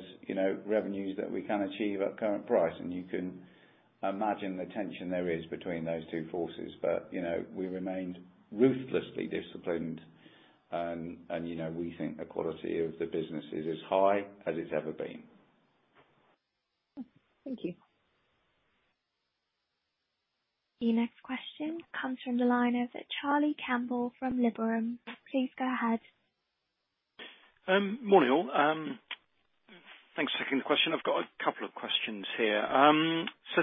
revenues that we can achieve at current price, and you can imagine the tension there is between those two forces. We remained ruthlessly disciplined, and we think the quality of the business is as high as it's ever been. Thank you. Your next question comes from the line of Charlie Campbell from Liberum. Please go ahead. Morning, all. Thanks for taking the question. I've got a couple of questions here.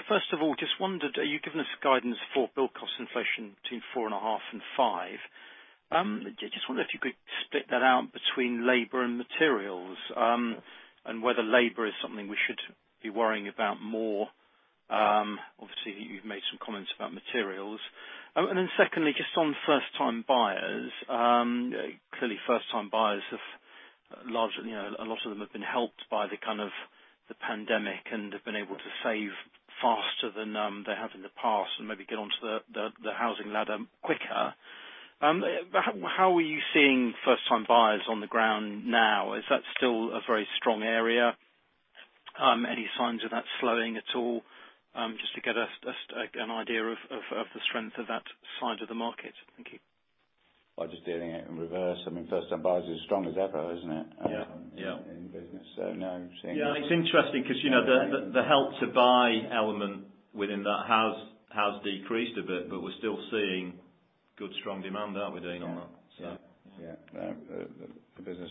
First of all, just wondered, you've given us guidance for build cost inflation between 4.5% and 5%. Just wonder if you could split that out between labor and materials, and whether labor is something we should be worrying about more. Obviously, you've made some comments about materials. Secondly, just on first-time buyers. Clearly, first-time buyers, a lot of them have been helped by the pandemic and have been able to save faster than they have in the past and maybe get onto the housing ladder quicker. How are you seeing first-time buyers on the ground now? Is that still a very strong area? Any signs of that slowing at all? Just to get an idea of the strength of that side of the market. Thank you. By just doing it in reverse, first-time buyers are as strong as ever, isn't it? Yeah. In business. No. Yeah, it's interesting because, the Help to Buy element within that has decreased a bit, but we're still seeing good, strong demand, aren't we, Dean, on that? Yeah. The business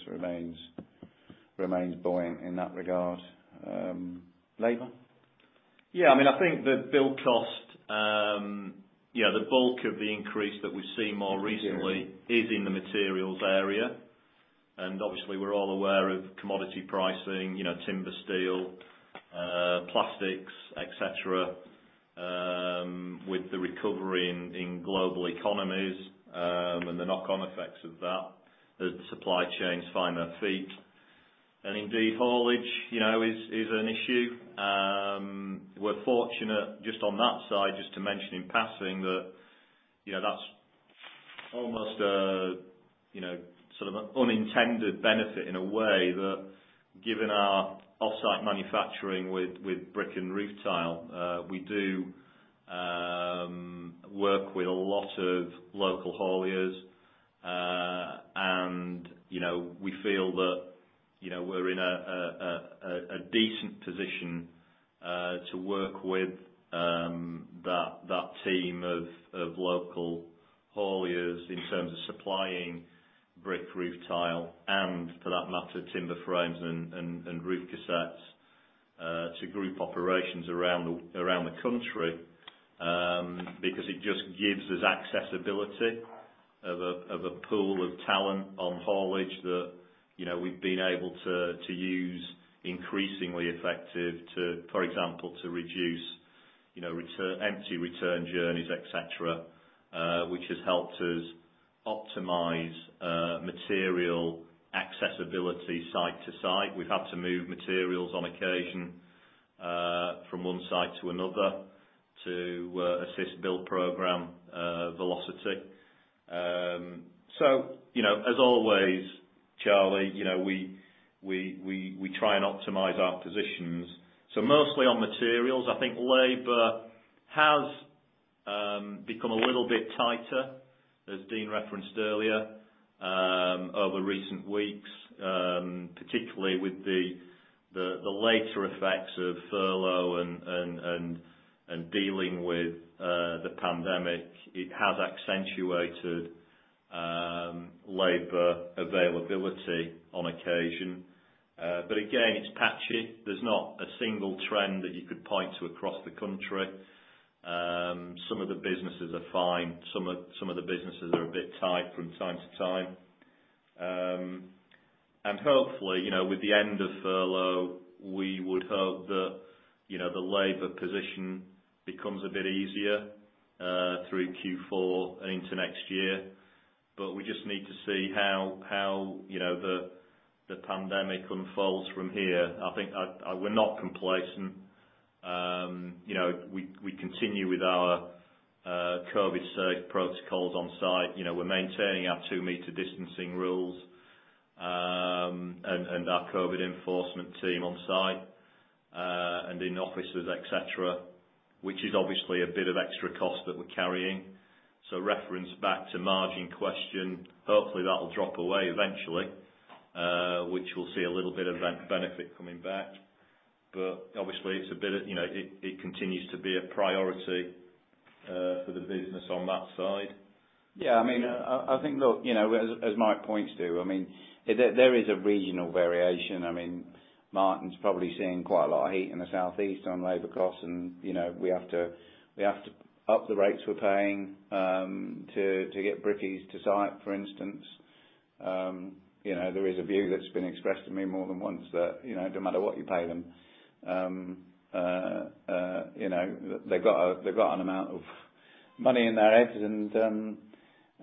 remains buoyant in that regard. Labor? Yeah, I think the build cost, the bulk of the increase that we've seen more recently is in the materials area. Obviously we're all aware of commodity pricing, timber, steel, plastics, et cetera, with the recovery in global economies, and the knock-on effects of that as the supply chains find their feet. Indeed, haulage is an issue. We're fortunate just on that side, just to mention in passing, that's almost a sort of unintended benefit in a way that given our offsite manufacturing with brick and roof tile, we do work with a lot of local hauliers. We feel that we're in a decent position to work with that team of local hauliers in terms of supplying brick, roof tile, and for that matter, timber frames and roof cassettes to group operations around the country. It just gives us accessibility of a pool of talent on haulage that we've been able to use increasingly effective, for example, to reduce empty return journeys, et cetera, which has helped us optimize material accessibility site to site. We've had to move materials on occasion from one site to another to assist build program velocity. As always Charlie, we try and optimize our positions. Mostly on materials. I think labor has become a little bit tighter, as Dean Finch referenced earlier, over recent weeks, particularly with the later effects of furlough and dealing with the pandemic. It has accentuated labor availability on occasion. Again, it's patchy. There's not a single trend that you could point to across the country. Some of the businesses are fine. Some of the businesses are a bit tight from time to time. Hopefully, with the end of furlough, we would hope that the labor position becomes a bit easier, through Q4 and into next year. We just need to see how the pandemic unfolds from here. We're not complacent. We continue with our COVID-safe protocols on site. We're maintaining our 2-meter distancing rules, and our COVID enforcement team on site, and in offices, et cetera, which is obviously a bit of extra cost that we're carrying. Reference back to margin question, hopefully, that will drop away eventually, which we'll see a little bit of benefit coming back. Obviously, it continues to be a priority for the business on that side. Yeah. I think, look, as Mike points to, there is a regional variation. Martyn's probably seeing quite a lot of heat in the southeast on labor costs, and we have to up the rates we're paying to get brickies to site, for instance. There is a view that's been expressed to me more than once that no matter what you pay them, they've got an amount of money in their heads and,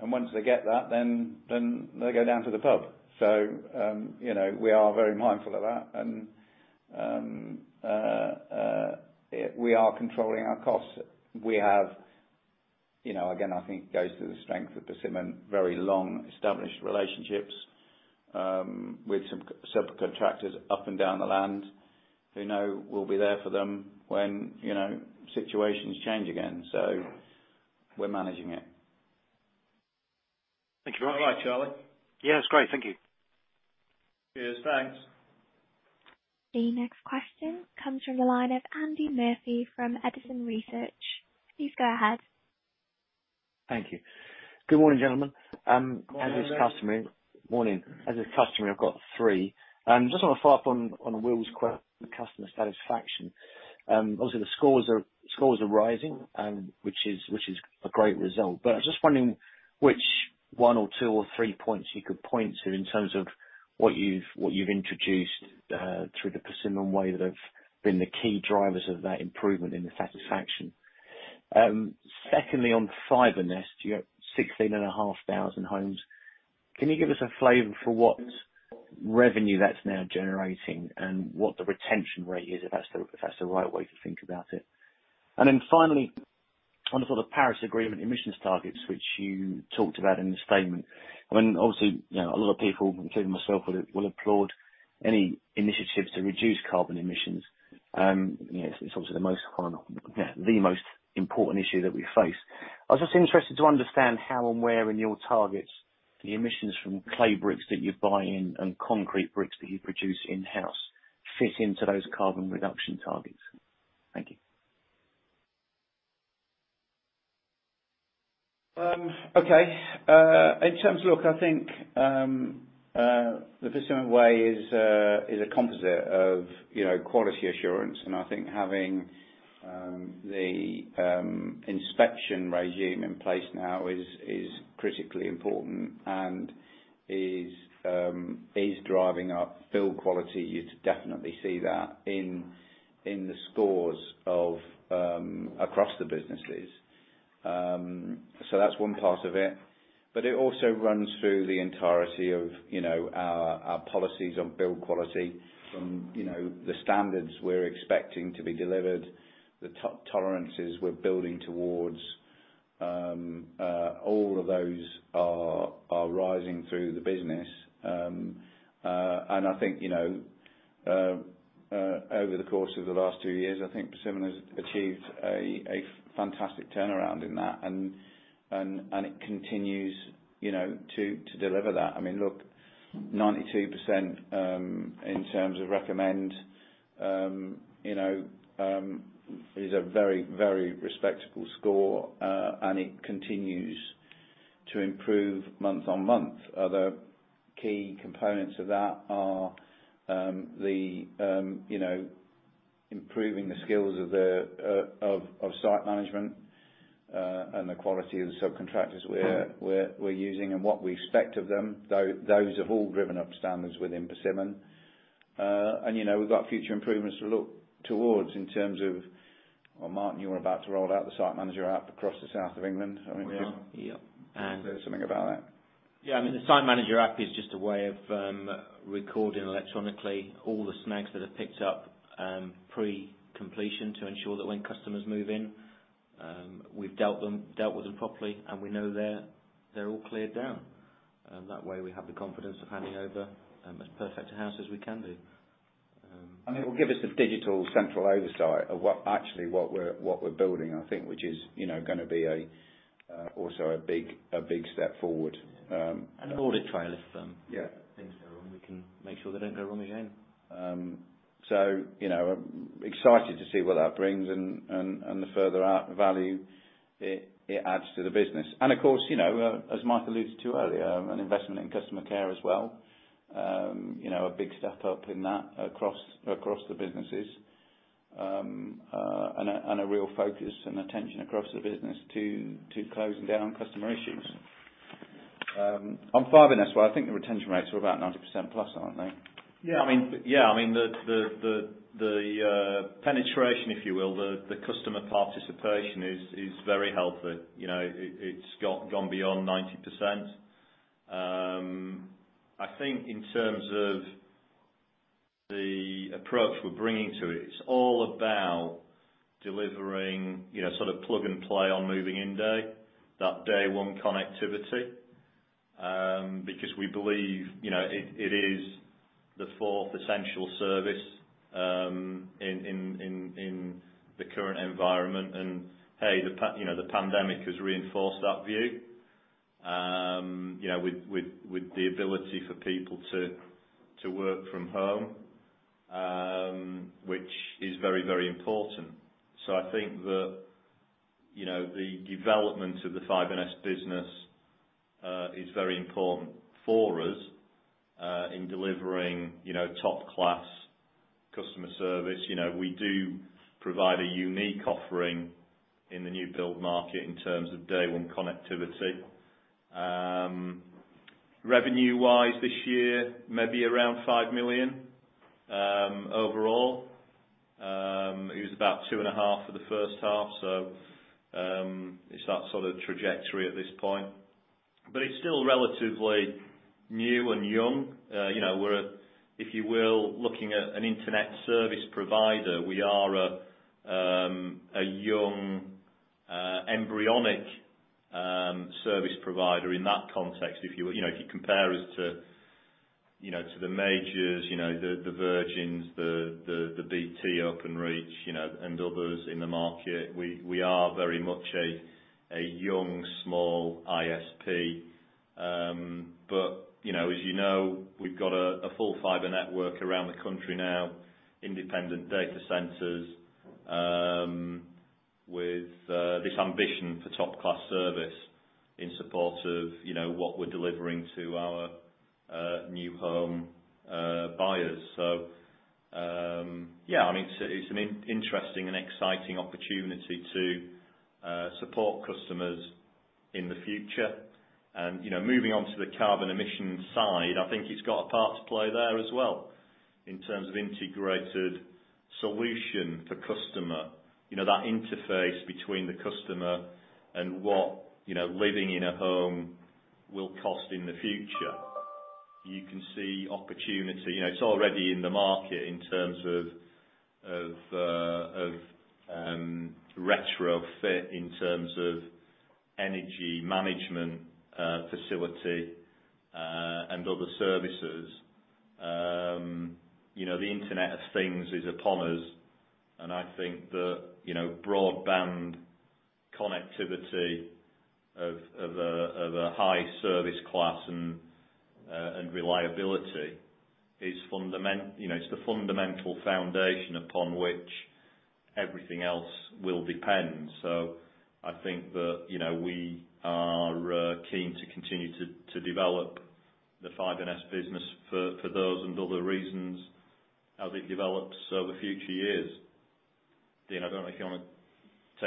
once they get that, then they go down to the pub. We are very mindful of that and we are controlling our costs. Again, I think it goes to the strength of Persimmon, very long established relationships, with some subcontractors up and down the land who know we'll be there for them when situations change again. We're managing it. Thank you very much. Charlie. Yeah, it's great. Thank you. Cheers. Thanks. The next question comes from the line of Andy Murphy from Edison Research. Please go ahead. Thank you. Good morning, gentlemen. Morning. Morning. As is customary, I've got three. Just want to follow up on Will's question on customer satisfaction. Obviously, the scores are rising, which is a great result. I was just wondering which one or two, or three points you could point to in terms of what you've introduced through The Persimmon Way that have been the key drivers of that improvement in the satisfaction. Secondly, on the FibreNest, you have 16,500 homes. Can you give us a flavor for what revenue that's now generating and what the retention rate is, if that's the right way to think about it. Finally, on the sort of Paris Agreement emissions targets, which you talked about in the statement. Obviously, a lot of people, including myself, will applaud any initiatives to reduce carbon emissions. It's obviously the most important issue that we face. I was just interested to understand how and where in your targets the emissions from clay bricks that you're buying and concrete bricks that you produce in-house fit into those carbon reduction targets. Thank you. Look, I think, The Persimmon Way is a composite of quality assurance. I think having the inspection regime in place now is critically important and is driving up build quality. You definitely see that in the scores across the businesses. That's one part of it. It also runs through the entirety of our policies on build quality from the standards we're expecting to be delivered, the tolerances we're building towards. All of those are rising through the business. I think, over the course of the last two years, I think Persimmon has achieved a fantastic turnaround in that. It continues to deliver that. Look, 92% in terms of recommend is a very respectable score. It continues to improve month-on-month. Other key components of that are improving the skills of site management, and the quality of the subcontractors we're using and what we expect of them. Those have all driven up standards within Persimmon. We've got future improvements to look towards in terms of Well, Martyn, you were about to roll out the site manager app across the south of England. We are, yep. Do you want to say something about that? Yeah. The site manager app is just a way of recording electronically all the snags that are picked up pre-completion to ensure that when customers move in. We've dealt with them properly, and we know they're all cleared down. That way we have the confidence of handing over as perfect a house as we can do. It will give us a digital central oversight of actually what we're building, I think, which is going to be also a big step forward. An audit trail. Yeah Things that go wrong. We can make sure they don't go wrong again. Excited to see what that brings and the further value it adds to the business. Of course, as Mike alluded to earlier, an investment in customer care as well. A big step up in that across the businesses, and a real focus and attention across the business to closing down customer issues. On FibreNest, well, I think the retention rates are about 90%+, aren't they? Yeah. The penetration, if you will, the customer participation is very healthy. It's gone beyond 90%. I think in terms of the approach we're bringing to it's all about delivering plug-and-play on moving-in day, that day one connectivity. We believe, it is the fourth essential service, in the current environment. Hey, the pandemic has reinforced that view, with the ability for people to work from home, which is very important. I think that the development of the FibreNest business, is very important for us, in delivering top-class customer service. We do provide a unique offering in the new build market in terms of day one connectivity. Revenue-wise this year, maybe around 5 million, overall. It was about 2.5 million for the first half. It's that sort of trajectory at this point. It's still relatively new and young. We're, if you will, looking at an internet service provider. We are a young, embryonic service provider in that context. If you compare us to the majors, the Virgins, the BT Openreach, and others in the market, we are very much a young, small ISP. As you know, we've got a full fiber network around the country now, independent data centers, with this ambition for top-class service in support of what we're delivering to our new home buyers. Yeah, it's an interesting and exciting opportunity to support customers in the future. Moving on to the carbon emission side, I think it's got a part to play there as well, in terms of integrated solution for customer. That interface between the customer and what living in a home will cost in the future. You can see opportunity. It's already in the market in terms of retrofit, in terms of energy management facility, and other services. The Internet of Things is upon us, and I think that broadband connectivity of a high service class and reliability, it's the fundamental foundation upon which everything else will depend. I think that, we are keen to continue to develop the FibreNest business for those and other reasons as it develops over future years. Dean, I don't know if you want to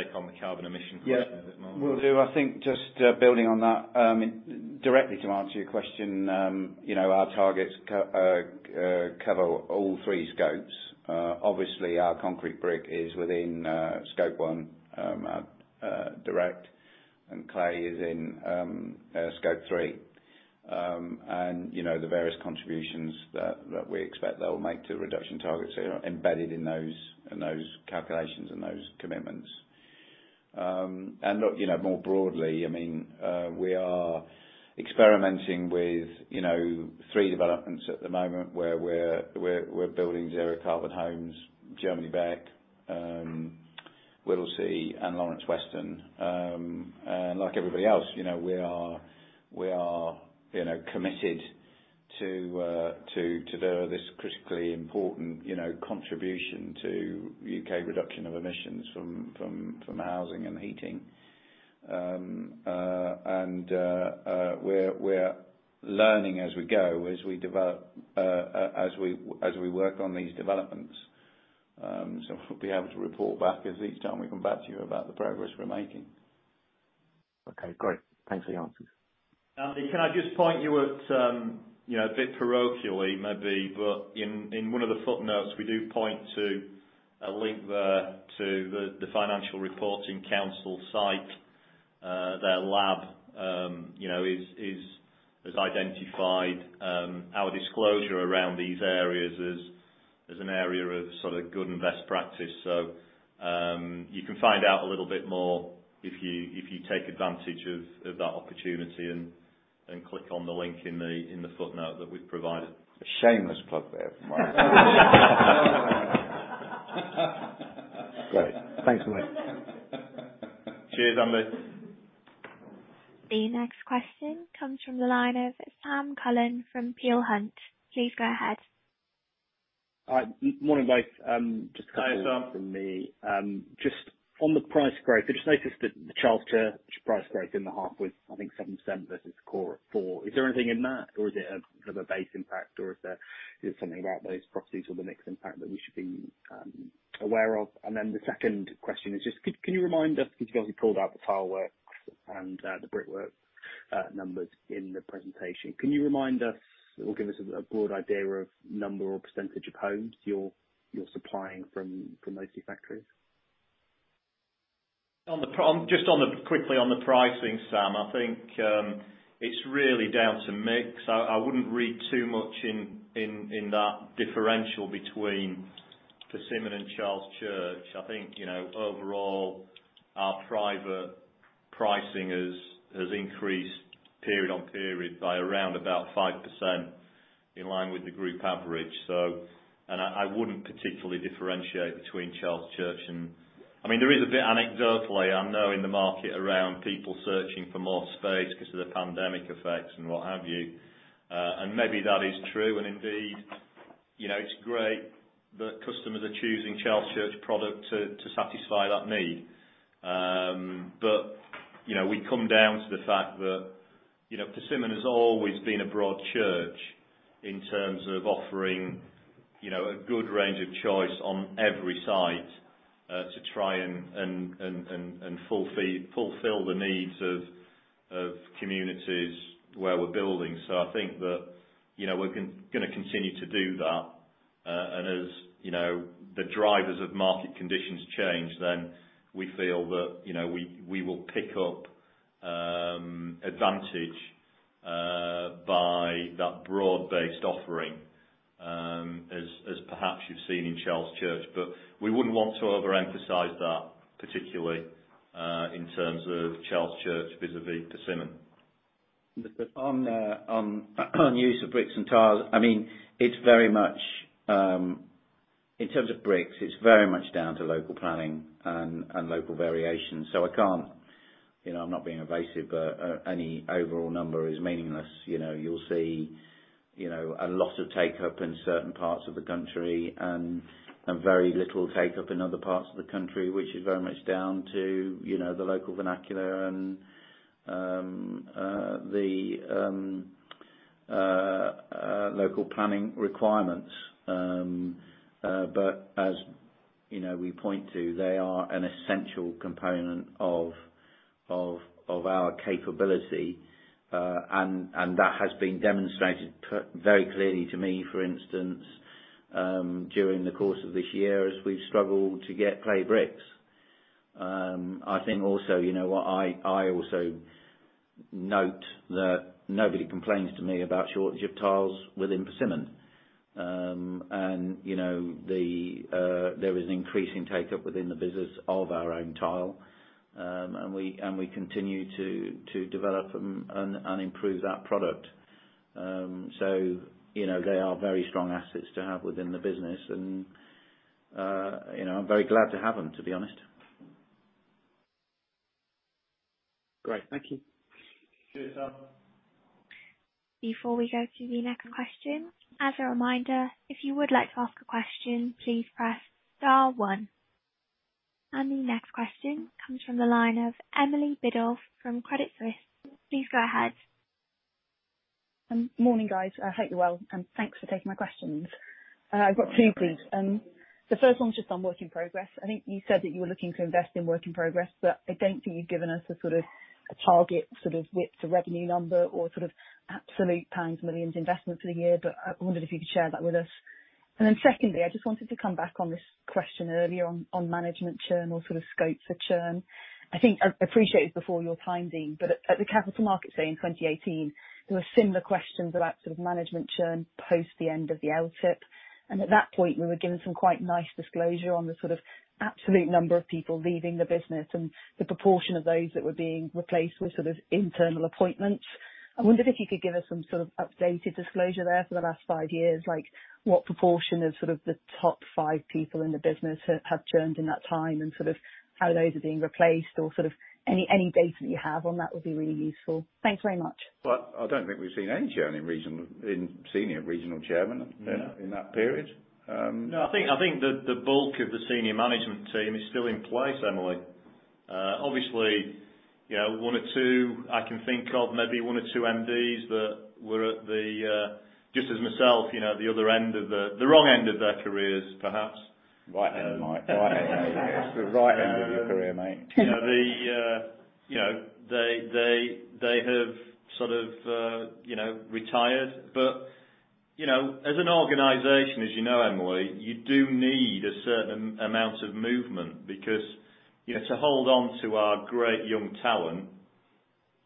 take on the carbon emission question a bit more. Will do. I think just building on that, directly to answer your question, our targets cover all three scopes. Obviously, our concrete brick is within Scope 1 direct, and clay is in Scope 3. The various contributions that we expect they'll make to reduction targets are embedded in those calculations and those commitments. Look, more broadly, we are experimenting with three developments at the moment where we're building zero carbon homes, Germany Beck, Whittlesey, and Lawrence Weston. Like everybody else we are committed to deliver this critically important contribution to U.K. reduction of emissions from housing and heating. We're learning as we go, as we work on these developments. We'll be able to report back as each time we come back to you about the progress we're making. Okay, great. Thanks for your answers. Andy, can I just point you at, a bit parochially maybe, but in one of the footnotes, we do point to a link there to the Financial Reporting Council site. The Lab has identified our disclosure around these areas as an area of good investment practice. You can find out a little bit more if you take advantage of that opportunity and click on the link in the footnote that we've provided. A shameless plug there from Mike. Great. Thanks, Mike. Cheers, Andy. The next question comes from the line of Sam Cullen from Peel Hunt. Please go ahead. Hi. Morning, guys. Hi, Sam. From me. Just on the price growth, I just noticed that the Charles Church price growth in the half was, I think, 7% versus core at 4%. Is there anything in that? Is it a base impact, or is there something about those properties or the mix impact that we should be aware of? The second question is just, could you remind us, because you guys have pulled out the tile works and the brickwork numbers in the presentation. Can you remind us or give us a broad idea of number or percent of homes you're supplying from those two factories? Just quickly on the pricing, Sam, it's really down to mix. I wouldn't read too much in that differential between Persimmon and Charles Church. Overall, our private pricing has increased period on period by around about 5% in line with the group average. I wouldn't particularly differentiate between Charles Church. There is a bit anecdotally, I know in the market around people searching for more space because of the pandemic effects and what have you. Maybe that is true and indeed, it's great that customers are choosing Charles Church product to satisfy that need. We come down to the fact that Persimmon has always been a broad church in terms of offering a good range of choice on every site, to try and fulfill the needs of communities where we're building. We're going to continue to do that. As the drivers of market conditions change, then we feel that we will pick up advantage by that broad-based offering, as perhaps you've seen in Charles Church. We wouldn't want to overemphasize that particularly, in terms of Charles Church vis-à-vis Persimmon. On use of bricks and tiles. In terms of bricks, it's very much down to local planning and local variation. I'm not being evasive. Any overall number is meaningless. You'll see a lot of take-up in certain parts of the country and very little take-up in other parts of the country, which is very much down to the local vernacular and the local planning requirements. As we point to, they are an essential component of our capability, and that has been demonstrated very clearly to me, for instance, during the course of this year, as we've struggled to get clay bricks. I also note that nobody complains to me about shortage of tiles within Persimmon. There is an increasing take-up within the business of our own tile. We continue to develop and improve that product. They are very strong assets to have within the business and I'm very glad to have them, to be honest. Great. Thank you. Cheers, Sam. The next question comes from the line of Emily Biddulph from Credit Suisse. Please go ahead. Morning, guys. I hope you are well, and thanks for taking my questions. I've got two, please. The first one's just on work in progress. I think you said that you were looking to invest in work in progress, but I don't think you've given us a target, be it a revenue number or absolute pounds millions investment for the year. I wondered if you could share that with us. Secondly, I just wanted to come back on this question earlier on management churn or scopes for churn. I think I appreciate it's before your time, Dean, but at the Capital Markets Day in 2018, there were similar questions about management churn post the end of the LTIP. At that point, we were given some quite nice disclosure on the absolute number of people leaving the business and the proportion of those that were being replaced with internal appointments. I wondered if you could give us some sort of updated disclosure there for the last five years, like what proportion of the top five people in the business have churned in that time, and how those are being replaced or any data that you have on that would be really useful. Thanks very much. I don't think we've seen any churn in senior regional chairman in that period. No, I think the bulk of the senior management team is still in place, Emily. Obviously, one or two I can think of, maybe one or two MDs that were at the, just as myself, the other end of the wrong end of their careers, perhaps. Right end, Mike. The right end of your career, mate. They have retired. As an organization, as you know, Emily, you do need a certain amount of movement because to hold on to our great young talent,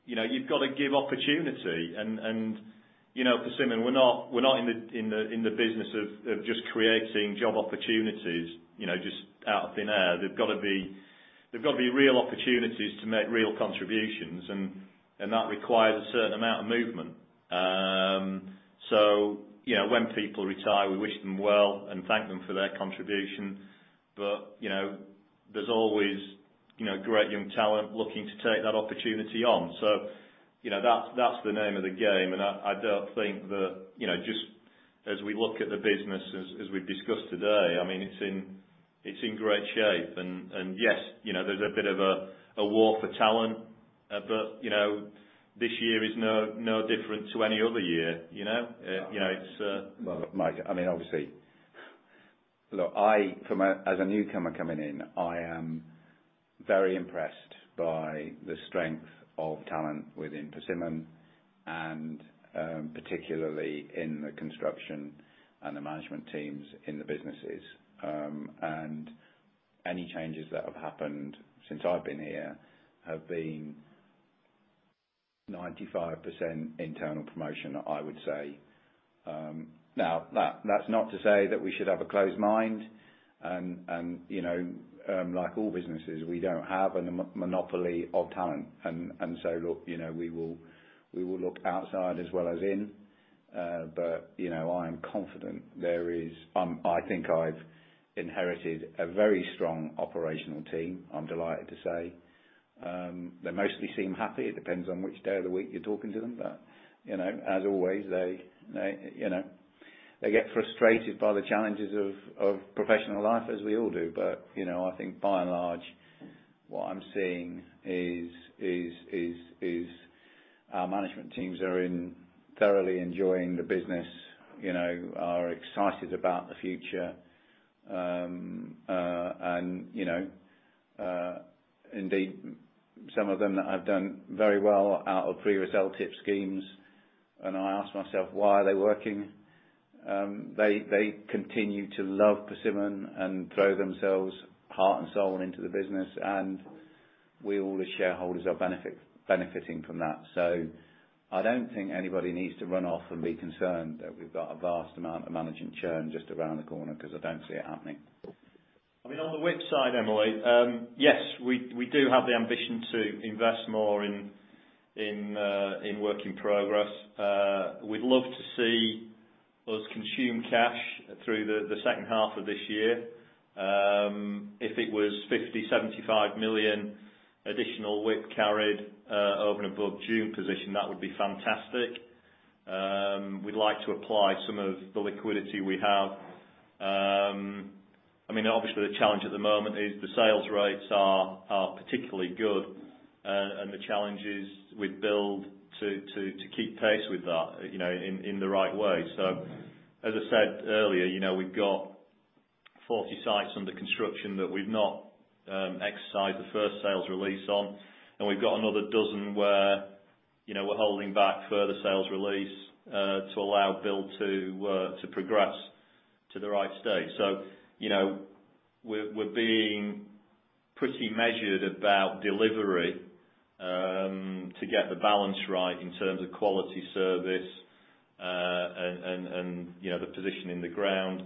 you've got to give opportunity. Persimmon, we're not in the business of just creating job opportunities just out of thin air. They've got to be real opportunities to make real contributions. That requires a certain amount of movement. When people retire, we wish them well and thank them for their contribution. There's always great young talent looking to take that opportunity on. That's the name of the game. I don't think that just as we look at the business as we've discussed today, it's in great shape. Yes, there's a bit of a war for talent. This year is no different to any other year. Mike, obviously, look, as a newcomer coming in, I am very impressed by the strength of talent within Persimmon and particularly in the construction and the management teams in the businesses. Any changes that have happened since I’ve been here have been 95% internal promotion, I would say. Now, that’s not to say that we should have a closed mind, and like all businesses, we don’t have a monopoly of talent. Look, we will look outside as well as in. I am confident I’ve inherited a very strong operational team, I’m delighted to say. They mostly seem happy. It depends on which day of the week you’re talking to them. As always, they get frustrated by the challenges of professional life, as we all do. I think by and large, what I'm seeing is our management teams are thoroughly enjoying the business, are excited about the future, and indeed, some of them have done very well out of previous LTIP schemes, and I ask myself, why are they working? They continue to love Persimmon and throw themselves heart and soul into the business, and we, all the shareholders, are benefiting from that. I don't think anybody needs to run off and be concerned that we've got a vast amount of management churn just around the corner, because I don't see it happening. On the WIP side, Emily, yes, we do have the ambition to invest more in work in progress. We'd love to see us consume cash through the second half of this year. If it was 50 million-75 million additional WIP carried over and above June position, that would be fantastic. We'd like to apply some of the liquidity we have. The challenge at the moment is the sales rates are particularly good, and the challenge is with build to keep pace with that in the right way. As I said earlier, we've got 40 sites under construction that we've not exercised the first sales release on, and we've got another 12 where we're holding back further sales release, to allow build to progress to the right stage. We're being pretty measured about delivery to get the balance right in terms of quality service, and the position in the ground.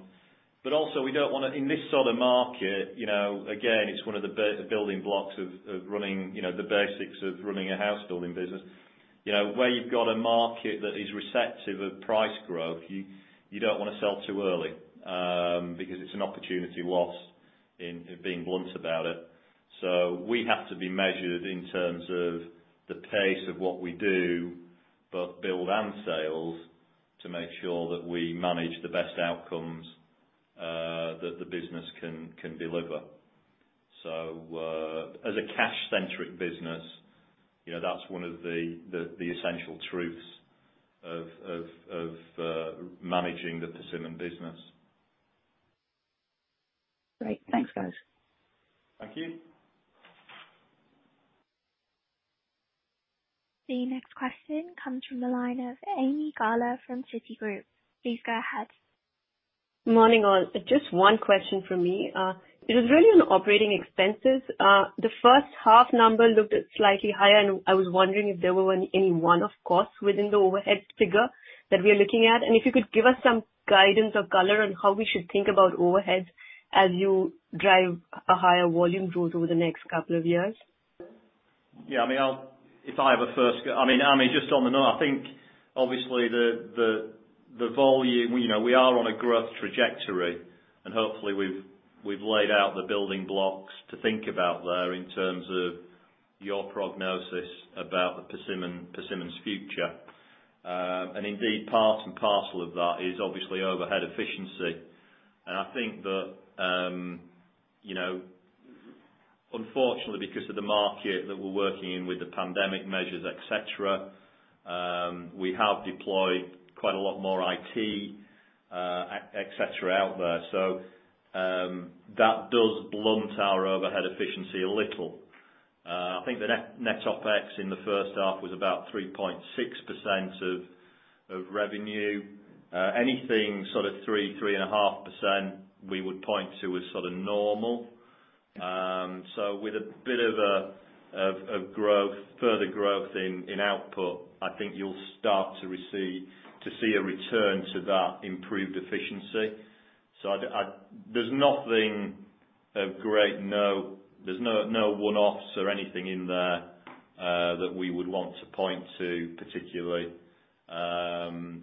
Also, we don't want to, in this sort of market, again, it's one of the building blocks of running the basics of running a housebuilding business. Where you've got a market that is receptive of price growth, you don't want to sell too early, because it's an opportunity lost, in being blunt about it. We have to be measured in terms of the pace of what we do, both build and sales, to make sure that we manage the best outcomes that the business can deliver. As a cash-centric business, that's one of the essential truths of managing the Persimmon business. Great. Thanks, guys. Thank you. The next question comes from the line of Ami Galla from Citigroup. Please go ahead. Morning, all. Just one question from me. It was really on operating expenses. The first half number looked slightly higher, and I was wondering if there were any one-off costs within the overhead figure that we are looking at, and if you could give us some guidance or color on how we should think about overheads as you drive a higher volume growth over the next couple of years. Yeah. If I have a first go. Ami, just on the note, I think obviously the volume, we are on a growth trajectory, hopefully we've laid out the building blocks to think about there in terms of your prognosis about Persimmon's future. Indeed, part and parcel of that is obviously overhead efficiency. I think that unfortunately, because of the market that we're working in with the pandemic measures, et cetera, we have deployed quite a lot more IT, et cetera, out there. That does blunt our overhead efficiency a little. I think the net OpEx in the first half was about 3.6% of revenue. Anything sort of 3%, 3.5% we would point to as sort of normal. With a bit of further growth in output, I think you'll start to see a return to that improved efficiency. There's no one-offs or anything in there that we would want to point to particularly.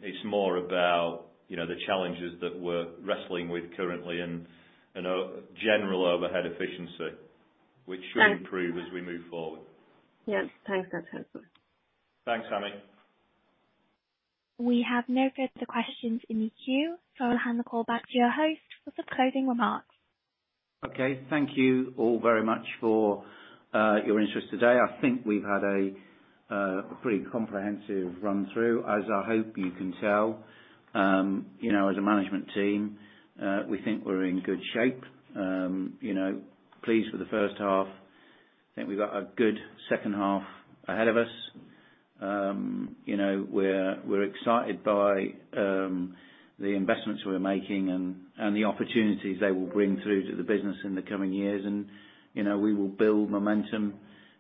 It's more about the challenges that we're wrestling with currently and general overhead efficiency, which should improve as we move forward. Yes. Thanks, that's helpful. Thanks, Ami. We have no further questions in the queue. I'll hand the call back to your host for some closing remarks. Thank you all very much for your interest today. I think we've had a pretty comprehensive run-through, as I hope you can tell. As a management team, we think we're in good shape. Pleased with the first half. I think we've got a good second half ahead of us. We're excited by the investments we're making and the opportunities they will bring through to the business in the coming years. We will build momentum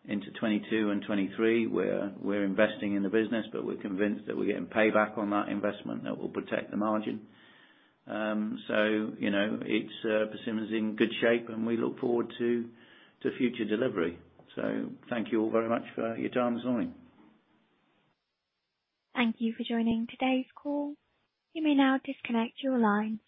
into 2022 and 2023, where we're investing in the business, but we're convinced that we're getting payback on that investment that will protect the margin. Persimmon is in good shape, and we look forward to future delivery. Thank you all very much for your time this morning. Thank you for joining today's call. You may now disconnect your line.